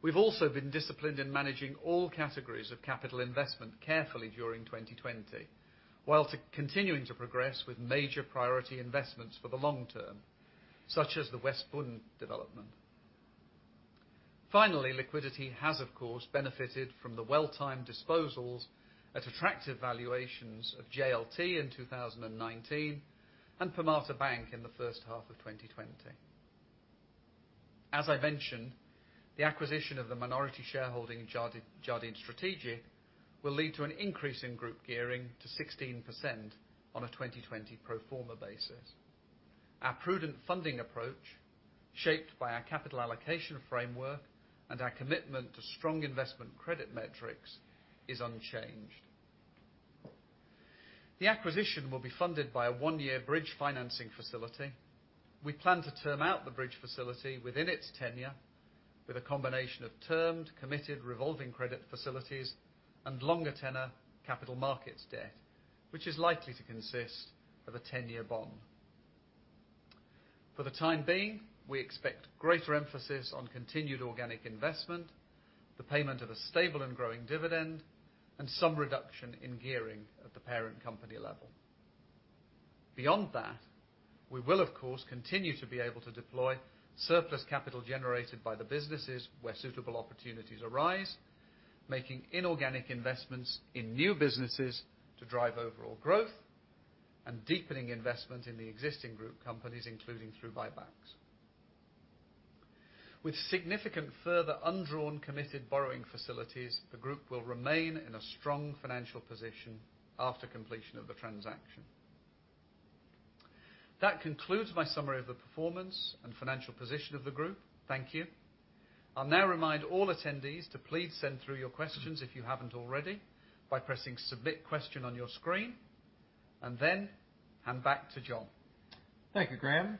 We've also been disciplined in managing all categories of capital investment carefully during 2020, while continuing to progress with major priority investments for the long term, such as the West Bund development. Finally, liquidity has, of course, benefited from the well-timed disposals at attractive valuations of JLT in 2019 and Permata Bank in the first half of 2020. As I mentioned, the acquisition of the minority shareholding Jardine Strategic will lead to an increase in group gearing to 16% on a 2020 pro forma basis. Our prudent funding approach, shaped by our capital allocation framework and our commitment to strong investment credit metrics, is unchanged. The acquisition will be funded by a one-year bridge financing facility. We plan to term out the bridge facility within its tenure with a combination of termed, committed, revolving credit facilities, and longer tenor capital markets debt, which is likely to consist of a ten-year bond. For the time being, we expect greater emphasis on continued organic investment, the payment of a stable and growing dividend, and some reduction in gearing at the parent company level. Beyond that, we will, of course, continue to be able to deploy surplus capital generated by the businesses where suitable opportunities arise, making inorganic investments in new businesses to drive overall growth and deepening investment in the existing group companies, including through buybacks. With significant further undrawn committed borrowing facilities, the group will remain in a strong financial position after completion of the transaction. That concludes my summary of the performance and financial position of the group. Thank you. I'll now remind all attendees to please send through your questions if you haven't already by pressing Submit Question on your screen, and then hand back to John. Thank you, Graham.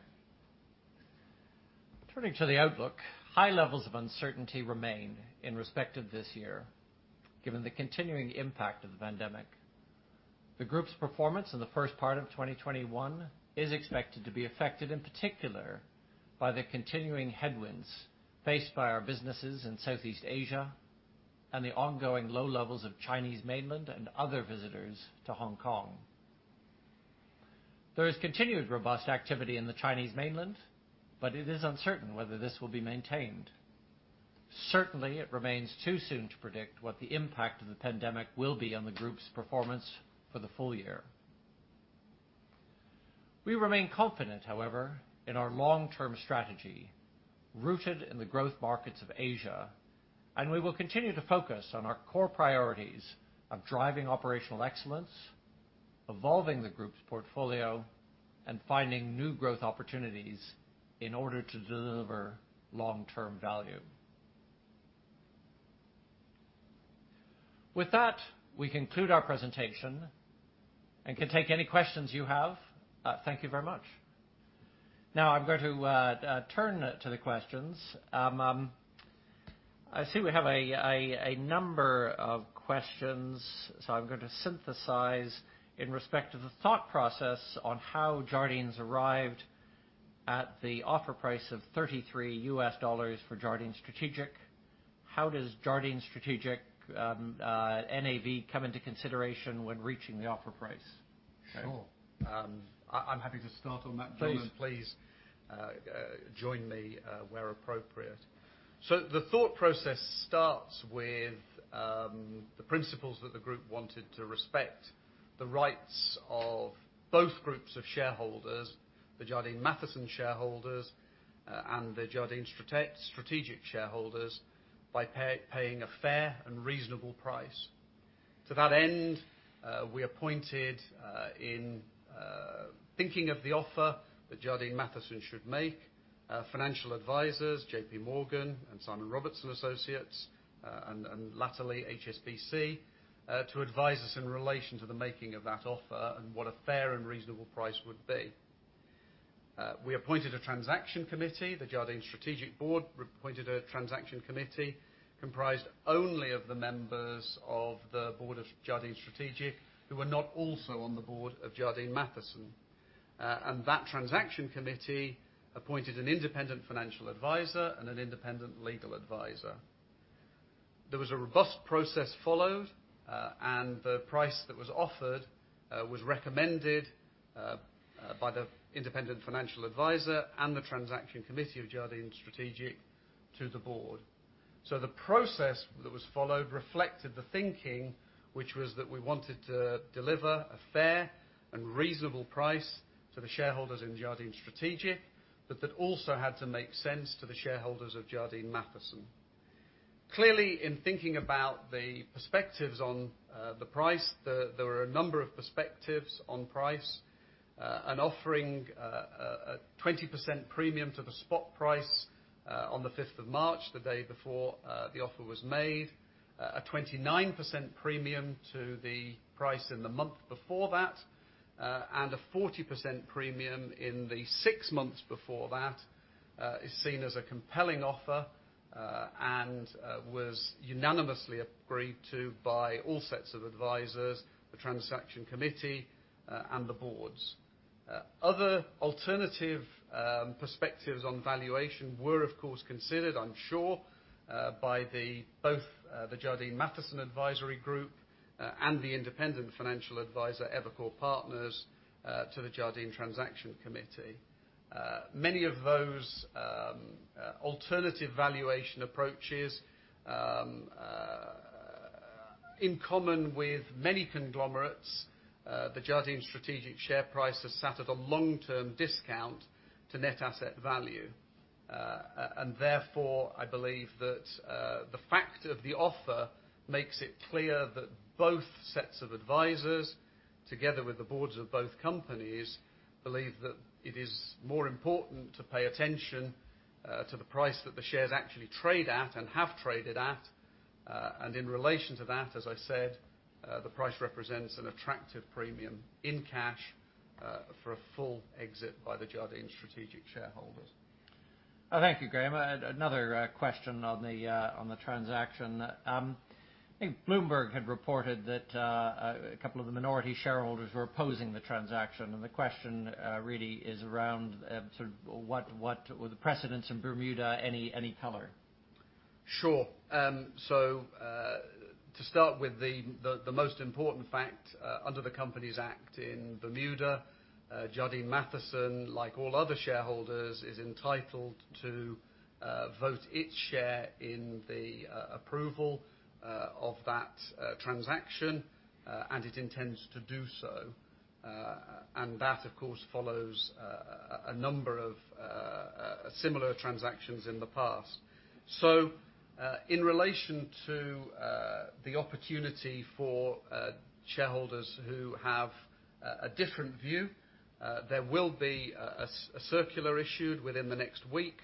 Turning to the outlook, high levels of uncertainty remain in respect of this year, given the continuing impact of the pandemic. The group's performance in the first part of 2021 is expected to be affected, in particular, by the continuing headwinds faced by our businesses in Southeast Asia and the ongoing low levels of Chinese mainland and other visitors to Hong Kong. There is continued robust activity in the Chinese mainland, but it is uncertain whether this will be maintained. Certainly, it remains too soon to predict what the impact of the pandemic will be on the group's performance for the full year. We remain confident, however, in our long-term strategy rooted in the growth markets of Asia, and we will continue to focus on our core priorities of driving operational excellence, evolving the group's portfolio, and finding new growth opportunities in order to deliver long-term value. With that, we conclude our presentation and can take any questions you have. Thank you very much. Now, I'm going to turn to the questions. I see we have a number of questions, so I'm going to synthesize in respect of the thought process on how Jardine's arrived at the offer price of $33 for Jardine Strategic. How does Jardine Strategic NAV come into consideration when reaching the offer price? Sure. I'm happy to start on that, Jonas, please join me where appropriate. The thought process starts with the principles that the group wanted to respect the rights of both groups of shareholders, the Jardine Matheson shareholders and the Jardine Strategic shareholders, by paying a fair and reasonable price. To that end, we appointed, in thinking of the offer that Jardine Matheson should make, financial advisors, J.P. Morgan and Simon Robertson Associates, and laterally HSBC, to advise us in relation to the making of that offer and what a fair and reasonable price would be. We appointed a transaction committee. The Jardine Strategic board appointed a transaction committee comprised only of the members of the board of Jardine Strategic who were not also on the board of Jardine Matheson. That transaction committee appointed an independent financial advisor and an independent legal advisor. There was a robust process followed, and the price that was offered was recommended by the independent financial advisor and the transaction committee of Jardine Strategic to the board. The process that was followed reflected the thinking, which was that we wanted to deliver a fair and reasonable price to the shareholders in Jardine Strategic, but that also had to make sense to the shareholders of Jardine Matheson. Clearly, in thinking about the perspectives on the price, there were a number of perspectives on price. An offering a 20% premium to the spot price on the 5th of March, the day before the offer was made, a 29% premium to the price in the month before that, and a 40% premium in the six months before that is seen as a compelling offer and was unanimously agreed to by all sets of advisors, the transaction committee, and the boards. Other alternative perspectives on valuation were, of course, considered, I'm sure, by both the Jardine Matheson advisory group and the independent financial advisor Evercore Partners to the Jardine transaction committee. Many of those alternative valuation approaches, in common with many conglomerates, the Jardine Strategic share price has sat at a long-term discount to net asset value. Therefore, I believe that the fact of the offer makes it clear that both sets of advisors, together with the boards of both companies, believe that it is more important to pay attention to the price that the shares actually trade at and have traded at. In relation to that, as I said, the price represents an attractive premium in cash for a full exit by the Jardine Strategic shareholders. Thank you, Graham. Another question on the transaction. I think Bloomberg had reported that a couple of the minority shareholders were opposing the transaction, and the question really is around sort of what were the precedents in Bermuda any color. Sure. To start with, the most important fact under the Companies Act in Bermuda, Jardine Matheson, like all other shareholders, is entitled to vote its share in the approval of that transaction, and it intends to do so. That, of course, follows a number of similar transactions in the past. In relation to the opportunity for shareholders who have a different view, there will be a circular issued within the next week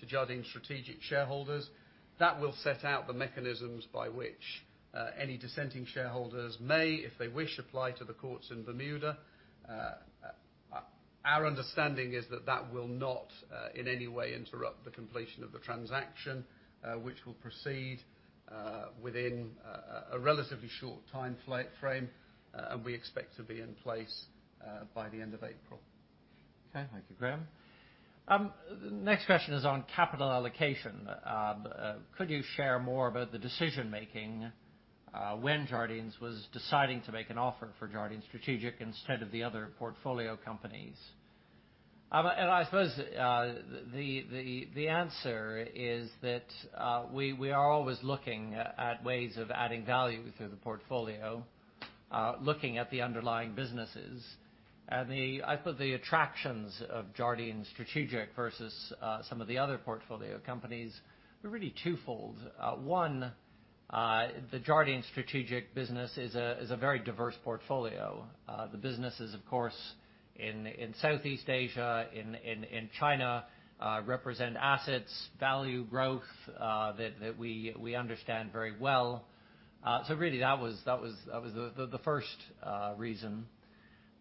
to Jardine Strategic shareholders. That will set out the mechanisms by which any dissenting shareholders may, if they wish, apply to the courts in Bermuda. Our understanding is that that will not in any way interrupt the completion of the transaction, which will proceed within a relatively short time frame, and we expect to be in place by the end of April. Okay. Thank you, Graham. The next question is on capital allocation. Could you share more about the decision-making when Jardine's was deciding to make an offer for Jardine Strategic instead of the other portfolio companies? I suppose the answer is that we are always looking at ways of adding value through the portfolio, looking at the underlying businesses. I suppose the attractions of Jardine Strategic versus some of the other portfolio companies are really twofold. One, the Jardine Strategic business is a very diverse portfolio. The businesses, of course, in Southeast Asia, in China, represent assets, value, growth that we understand very well. That was the first reason.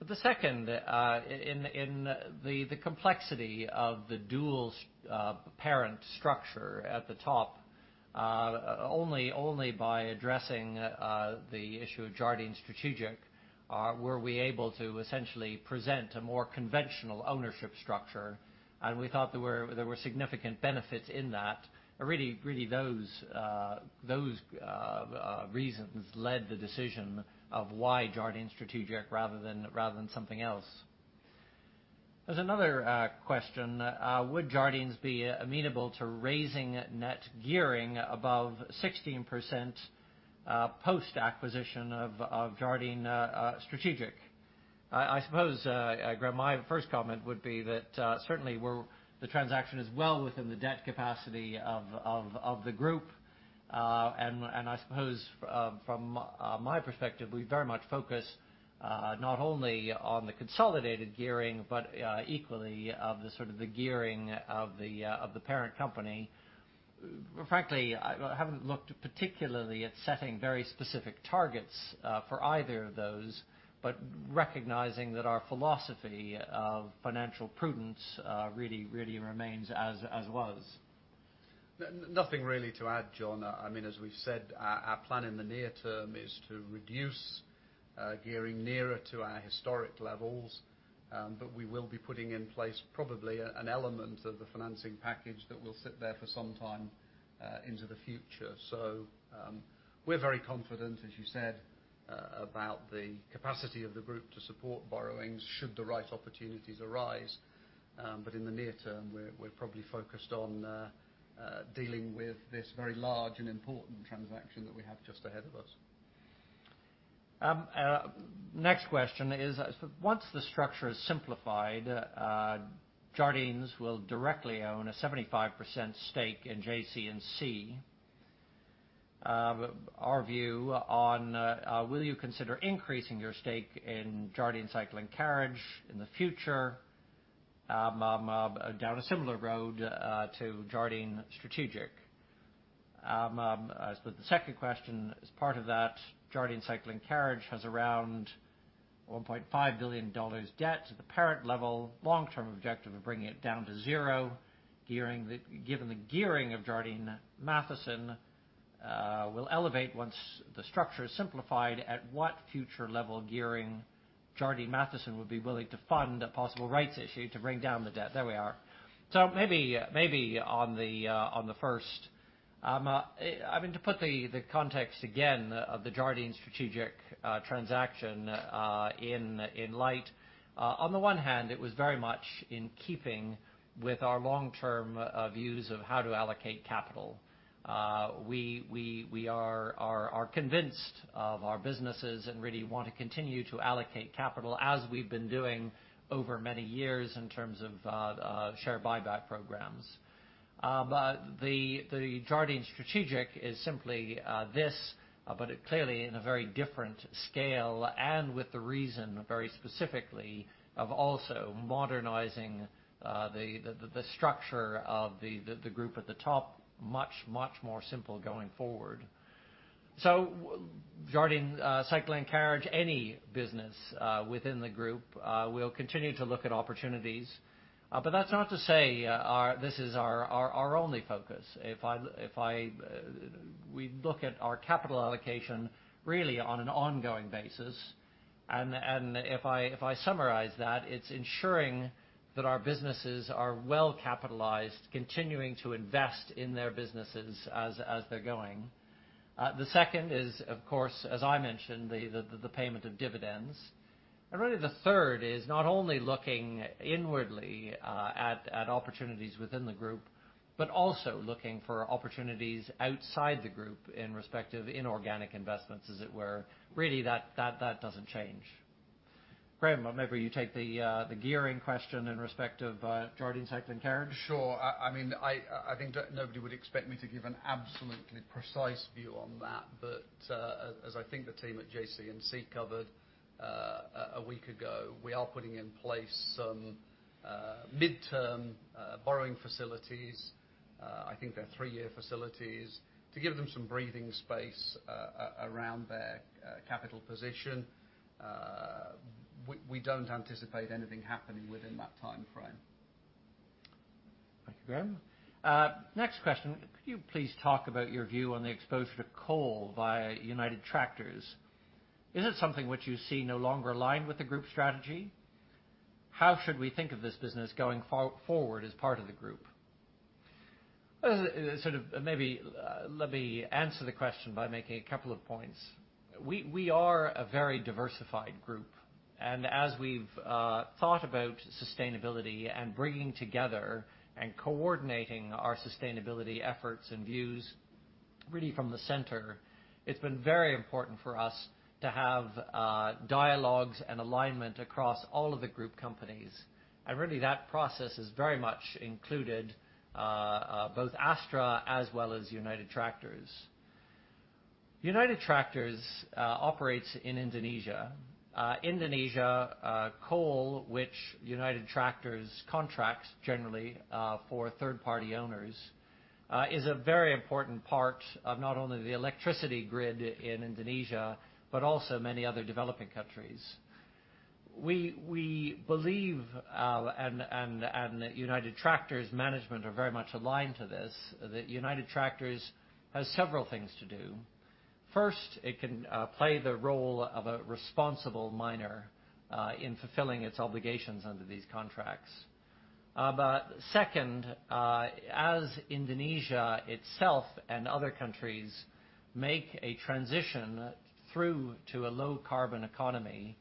The second, in the complexity of the dual parent structure at the top, only by addressing the issue of Jardine Strategic were we able to essentially present a more conventional ownership structure. We thought there were significant benefits in that. Really, those reasons led the decision of why Jardine Strategic rather than something else. There's another question. Would Jardine's be amenable to raising net gearing above 16% post-acquisition of Jardine Strategic? I suppose, Graham, my first comment would be that certainly the transaction is well within the debt capacity of the group. I suppose, from my perspective, we very much focus not only on the consolidated gearing, but equally of the sort of the gearing of the parent company. Frankly, I haven't looked particularly at setting very specific targets for either of those, but recognizing that our philosophy of financial prudence really remains as was. Nothing really to add, John. I mean, as we've said, our plan in the near term is to reduce gearing nearer to our historic levels, but we will be putting in place probably an element of the financing package that will sit there for some time into the future. We are very confident, as you said, about the capacity of the group to support borrowings should the right opportunities arise. In the near term, we are probably focused on dealing with this very large and important transaction that we have just ahead of us. Next question is, once the structure is simplified, Jardine Matheson will directly own a 75% stake in Jardine Cycle & Carriage. Our view on, will you consider increasing your stake in Jardine Cycle & Carriage in the future down a similar road to Jardine Strategic? I suppose the second question is part of that. Jardine Cycle & Carriage has around $1.5 billion debt at the parent level. Long-term objective of bringing it down to zero. Given the gearing of Jardine Matheson, will elevate once the structure is simplified at what future level gearing Jardine Matheson would be willing to fund a possible rights issue to bring down the debt? There we are. Maybe on the first, I mean, to put the context again of the Jardine Strategic transaction in light, on the one hand, it was very much in keeping with our long-term views of how to allocate capital. We are convinced of our businesses and really want to continue to allocate capital as we've been doing over many years in terms of share buyback programs. The Jardine Strategic is simply this, but clearly in a very different scale and with the reason very specifically of also modernizing the structure of the group at the top, much, much more simple going forward. Jardine Cycle & Carriage, any business within the group, will continue to look at opportunities. That is not to say this is our only focus. If we look at our capital allocation really on an ongoing basis, and if I summarize that, it is ensuring that our businesses are well capitalized, continuing to invest in their businesses as they are going. The second is, of course, as I mentioned, the payment of dividends. Really, the third is not only looking inwardly at opportunities within the group, but also looking for opportunities outside the group in respect of inorganic investments, as it were. Really, that does not change. Graham, maybe you take the gearing question in respect of Jardine Cycle & Carriage. Sure. I mean, I think nobody would expect me to give an absolutely precise view on that. As I think the team at JC&C covered a week ago, we are putting in place some midterm borrowing facilities. I think they're three-year facilities to give them some breathing space around their capital position. We don't anticipate anything happening within that time frame. Thank you, Graham. Next question. Could you please talk about your view on the exposure to coal via United Tractors? Is it something which you see no longer aligned with the group strategy? How should we think of this business going forward as part of the group? Sort of maybe let me answer the question by making a couple of points. We are a very diversified group. As we've thought about sustainability and bringing together and coordinating our sustainability efforts and views really from the center, it's been very important for us to have dialogues and alignment across all of the group companies. That process has very much included both Astra as well as United Tractors. United Tractors operates in Indonesia. Indonesia, coal, which United Tractors contracts generally for third-party owners, is a very important part of not only the electricity grid in Indonesia, but also many other developing countries. We believe, and United Tractors' management are very much aligned to this, that United Tractors has several things to do. First, it can play the role of a responsible miner in fulfilling its obligations under these contracts. Second, as Indonesia itself and other countries make a transition through to a low-carbon economy,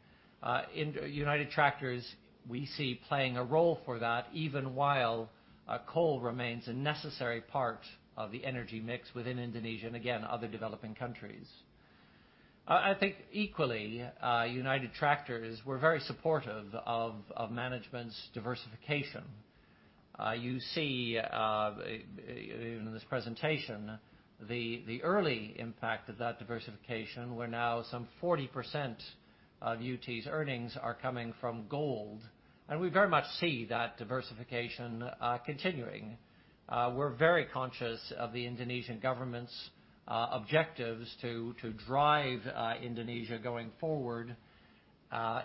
United Tractors we see playing a role for that even while coal remains a necessary part of the energy mix within Indonesia and, again, other developing countries. I think equally, United Tractors were very supportive of management's diversification. You see, even in this presentation, the early impact of that diversification where now some 40% of UT's earnings are coming from gold. We very much see that diversification continuing. We're very conscious of the Indonesian government's objectives to drive Indonesia going forward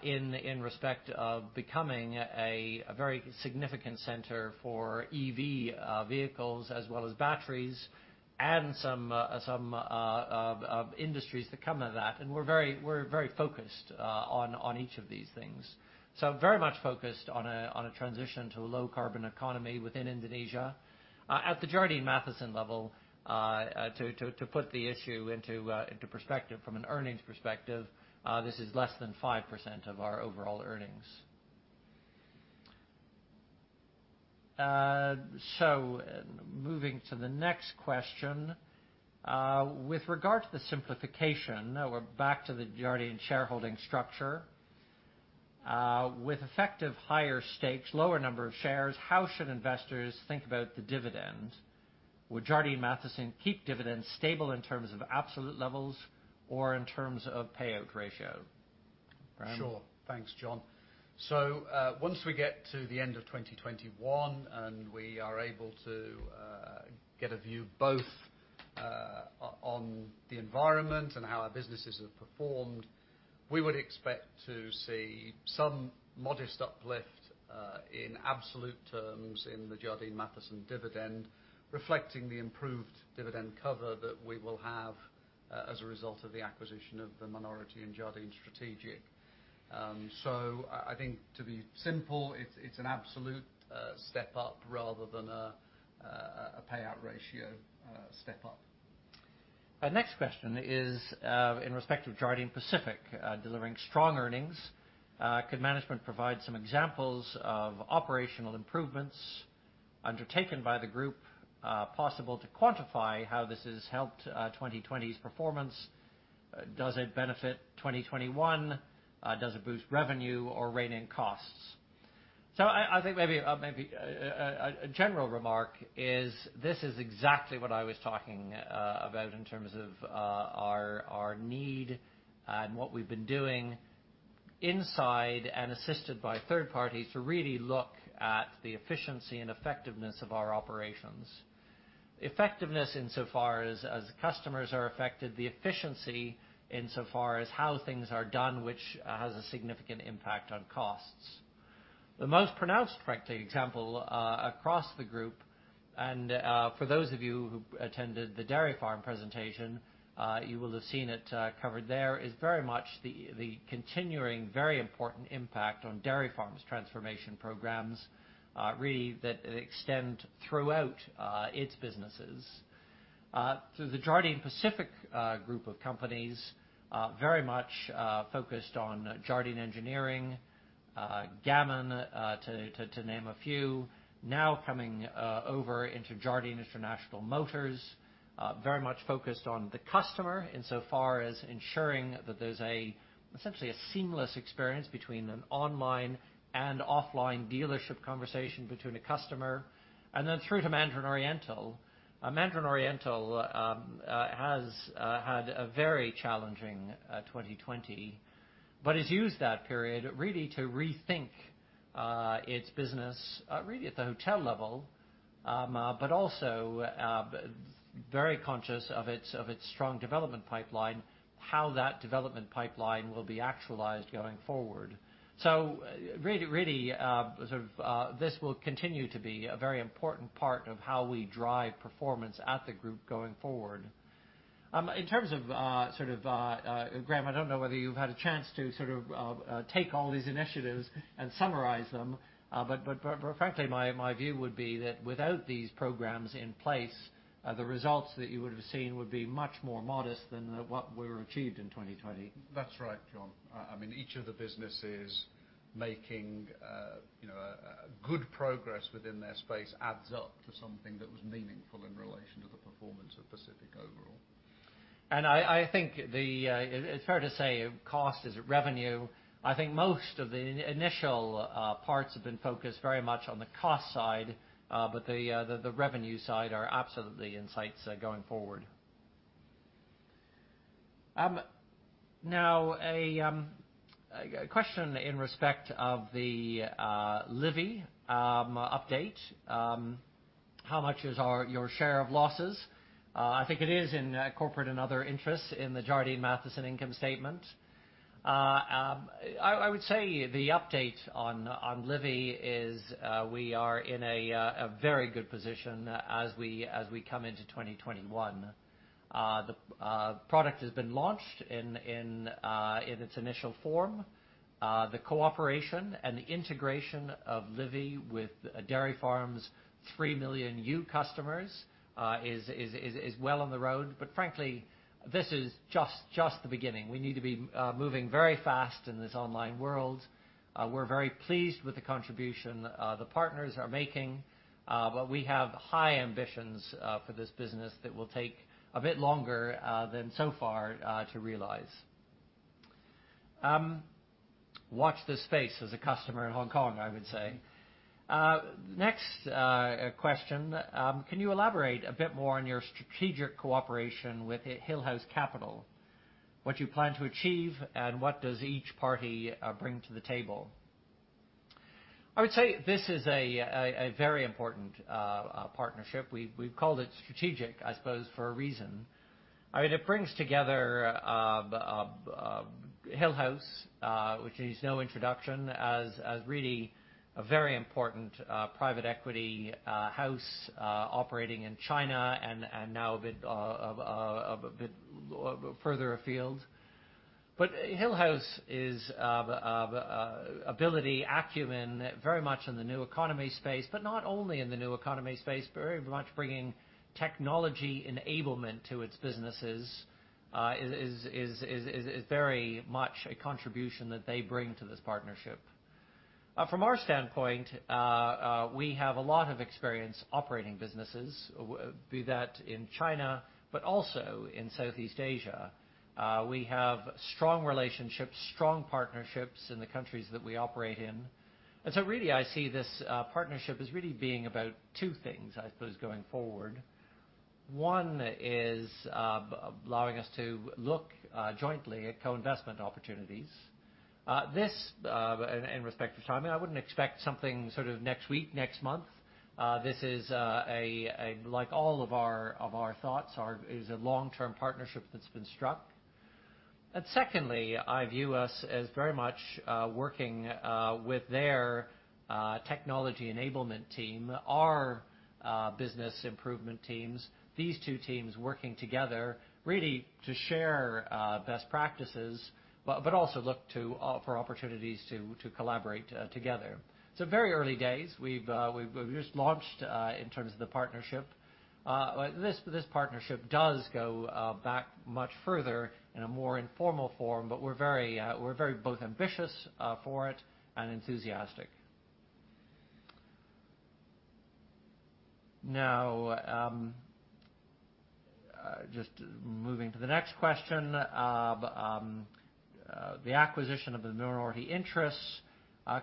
in respect of becoming a very significant center for EV vehicles as well as batteries and some industries that come with that. We're very focused on each of these things. Very much focused on a transition to a low-carbon economy within Indonesia. At the Jardine Matheson level, to put the issue into perspective from an earnings perspective, this is less than 5% of our overall earnings. Moving to the next question. With regard to the simplification, we're back to the Jardine shareholding structure. With effective higher stakes, lower number of shares, how should investors think about the dividend? Would Jardine Matheson keep dividends stable in terms of absolute levels or in terms of payout ratio? Graham? Sure. Thanks, John. Once we get to the end of 2021 and we are able to get a view both on the environment and how our businesses have performed, we would expect to see some modest uplift in absolute terms in the Jardine Matheson dividend, reflecting the improved dividend cover that we will have as a result of the acquisition of the minority in Jardine Strategic. I think, to be simple, it is an absolute step up rather than a payout ratio step up. Our next question is in respect of Jardine Pacific delivering strong earnings. Could management provide some examples of operational improvements undertaken by the group possible to quantify how this has helped 2020's performance? Does it benefit 2021? Does it boost revenue or rein in costs? I think maybe a general remark is this is exactly what I was talking about in terms of our need and what we've been doing inside and assisted by third parties to really look at the efficiency and effectiveness of our operations. Effectiveness insofar as customers are affected, the efficiency insofar as how things are done, which has a significant impact on costs. The most pronounced practical example across the group, and for those of you who attended the Dairy Farm presentation, you will have seen it covered there, is very much the continuing very important impact on Dairy Farm's transformation programs really that extend throughout its businesses. The Jardine Pacific group of companies very much focused on Jardine Engineering, Gammon to name a few, now coming over into Jardine International Motors, very much focused on the customer insofar as ensuring that there's essentially a seamless experience between an online and offline dealership conversation between a customer. Then through to Mandarin Oriental. Mandarin Oriental has had a very challenging 2020, but has used that period really to rethink its business really at the hotel level, but also very conscious of its strong development pipeline, how that development pipeline will be actualized going forward. Really, really sort of this will continue to be a very important part of how we drive performance at the group going forward. In terms of sort of, Graham, I don't know whether you've had a chance to sort of take all these initiatives and summarize them. Frankly, my view would be that without these programs in place, the results that you would have seen would be much more modest than what were achieved in 2020. That's right, John. I mean, each of the businesses making good progress within their space adds up to something that was meaningful in relation to the performance of Pacific overall. I think it's fair to say cost is revenue. I think most of the initial parts have been focused very much on the cost side, but the revenue side are absolutely in sights going forward. Now, a question in respect of the Livi update. How much is your share of losses? I think it is in corporate and other interests in the Jardine Matheson income statement. I would say the update on Livi is we are in a very good position as we come into 2021. The product has been launched in its initial form. The cooperation and the integration of Livi with Dairy Farm's 3 million U customers is well on the road. Frankly, this is just the beginning. We need to be moving very fast in this online world. We're very pleased with the contribution the partners are making. We have high ambitions for this business that will take a bit longer than so far to realize. Watch this space as a customer in Hong Kong, I would say. Next question. Can you elaborate a bit more on your strategic cooperation with Hillhouse Capital? What do you plan to achieve and what does each party bring to the table? I would say this is a very important partnership. We've called it strategic, I suppose, for a reason. I mean, it brings together Hillhouse Capital, which needs no introduction, as really a very important private equity house operating in China and now a bit further afield. Hillhouse Capital's ability, acumen very much in the new economy space, but not only in the new economy space, very much bringing technology enablement to its businesses is very much a contribution that they bring to this partnership. From our standpoint, we have a lot of experience operating businesses, be that in China, but also in Southeast Asia. We have strong relationships, strong partnerships in the countries that we operate in. I see this partnership as really being about two things, I suppose, going forward. One is allowing us to look jointly at co-investment opportunities. This, in respect of time, I would not expect something sort of next week, next month. This is, like all of our thoughts, a long-term partnership that's been struck. Secondly, I view us as very much working with their technology enablement team, our business improvement teams, these two teams working together really to share best practices, but also look for opportunities to collaborate together. Very early days. We've just launched in terms of the partnership. This partnership does go back much further in a more informal form, but we're both very ambitious for it and enthusiastic. Now, just moving to the next question, the acquisition of the minority interests.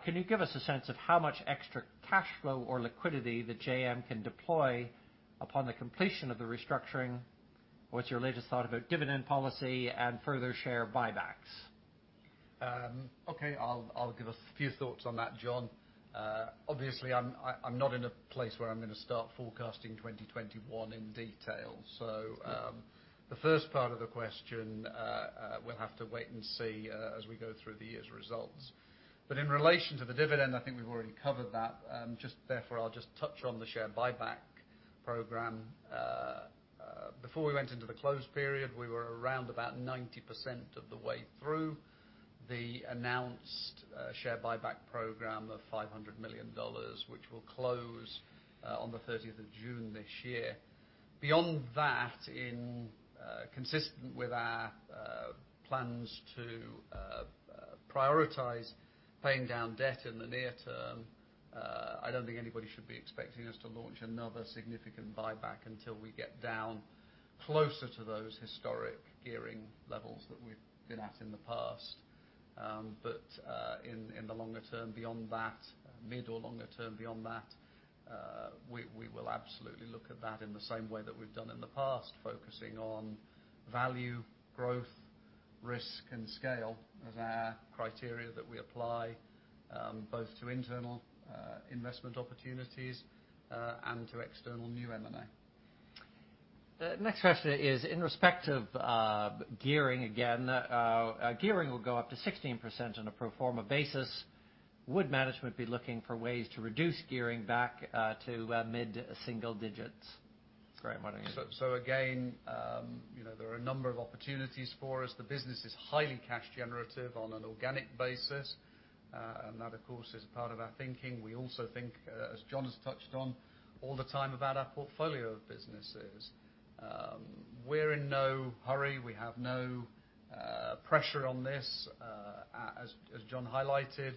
Can you give us a sense of how much extra cash flow or liquidity the JM can deploy upon the completion of the restructuring? What's your latest thought about dividend policy and further share buybacks? Okay. I'll give a few thoughts on that, John. Obviously, I'm not in a place where I'm going to start forecasting 2021 in detail. The first part of the question, we'll have to wait and see as we go through the year's results. In relation to the dividend, I think we've already covered that. Therefore, I'll just touch on the share buyback program. Before we went into the close period, we were around about 90% of the way through the announced share buyback program of $500 million, which will close on the 30th of June this year. Beyond that, consistent with our plans to prioritize paying down debt in the near term, I don't think anybody should be expecting us to launch another significant buyback until we get down closer to those historic gearing levels that we've been at in the past. In the longer term, beyond that, mid or longer term, beyond that, we will absolutely look at that in the same way that we've done in the past, focusing on value, growth, risk, and scale as our criteria that we apply both to internal investment opportunities and to external new M&A. The next question is in respect of gearing, again, gearing will go up to 16% on a pro forma basis. Would management be looking for ways to reduce gearing back to mid single digits? Graham, why don't you? There are a number of opportunities for us. The business is highly cash generative on an organic basis. That, of course, is part of our thinking. We also think, as John has touched on all the time about our portfolio of businesses, we're in no hurry. We have no pressure on this. As John highlighted,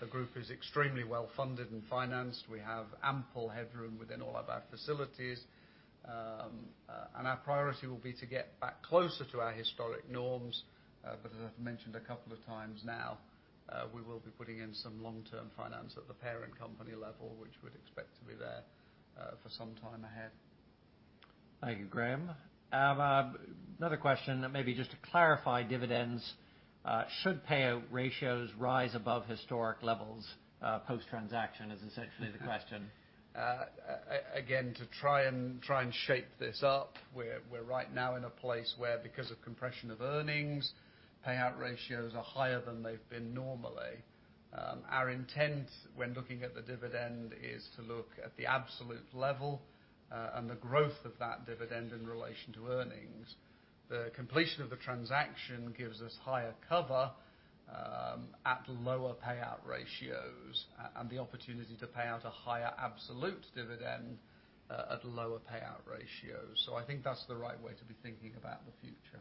the group is extremely well funded and financed. We have ample headroom within all of our facilities. Our priority will be to get back closer to our historic norms. As I've mentioned a couple of times now, we will be putting in some long-term finance at the parent company level, which we'd expect to be there for some time ahead. Thank you, Graham. Another question, maybe just to clarify dividends. Should payout ratios rise above historic levels post-transaction is essentially the question. Again, to try and shape this up, we're right now in a place where, because of compression of earnings, payout ratios are higher than they've been normally. Our intent when looking at the dividend is to look at the absolute level and the growth of that dividend in relation to earnings. The completion of the transaction gives us higher cover at lower payout ratios and the opportunity to pay out a higher absolute dividend at lower payout ratios. I think that's the right way to be thinking about the future.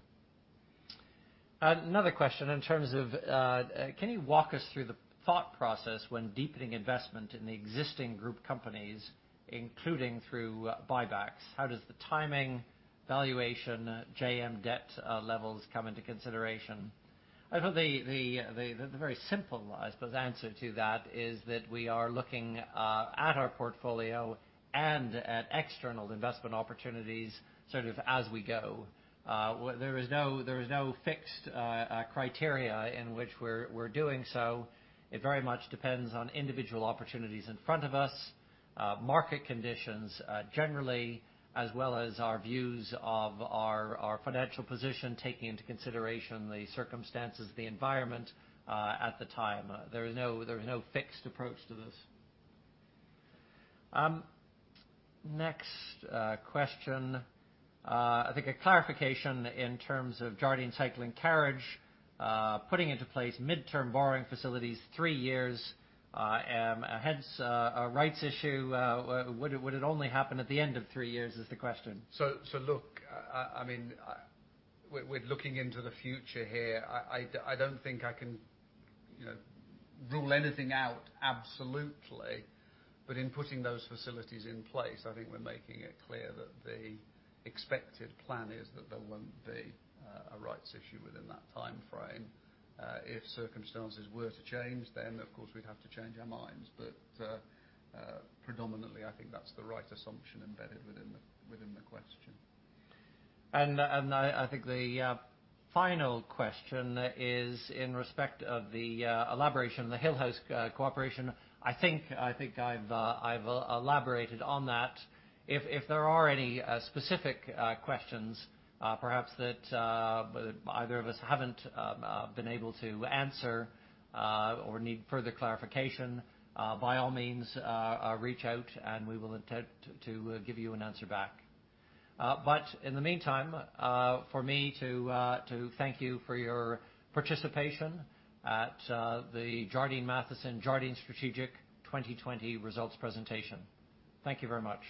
Another question in terms of can you walk us through the thought process when deepening investment in the existing group companies, including through buybacks? How does the timing, valuation, JM debt levels come into consideration? I thought the very simple, I suppose, answer to that is that we are looking at our portfolio and at external investment opportunities sort of as we go. There is no fixed criteria in which we're doing so. It very much depends on individual opportunities in front of us, market conditions generally, as well as our views of our financial position, taking into consideration the circumstances, the environment at the time. There is no fixed approach to this. Next question. I think a clarification in terms of Jardine Cycle & Carriage putting into place midterm borrowing facilities three years, hence a rights issue. Would it only happen at the end of three years is the question. Look, I mean, we're looking into the future here. I don't think I can rule anything out absolutely. In putting those facilities in place, I think we're making it clear that the expected plan is that there won't be a rights issue within that time frame. If circumstances were to change, of course, we'd have to change our minds. Predominantly, I think that's the right assumption embedded within the question. I think the final question is in respect of the elaboration of the Hillhouse Capital cooperation. I think I've elaborated on that. If there are any specific questions, perhaps that either of us have not been able to answer or need further clarification, by all means, reach out and we will attempt to give you an answer back. In the meantime, for me to thank you for your participation at the Jardine Matheson Jardine Strategic 2020 results presentation. Thank you very much.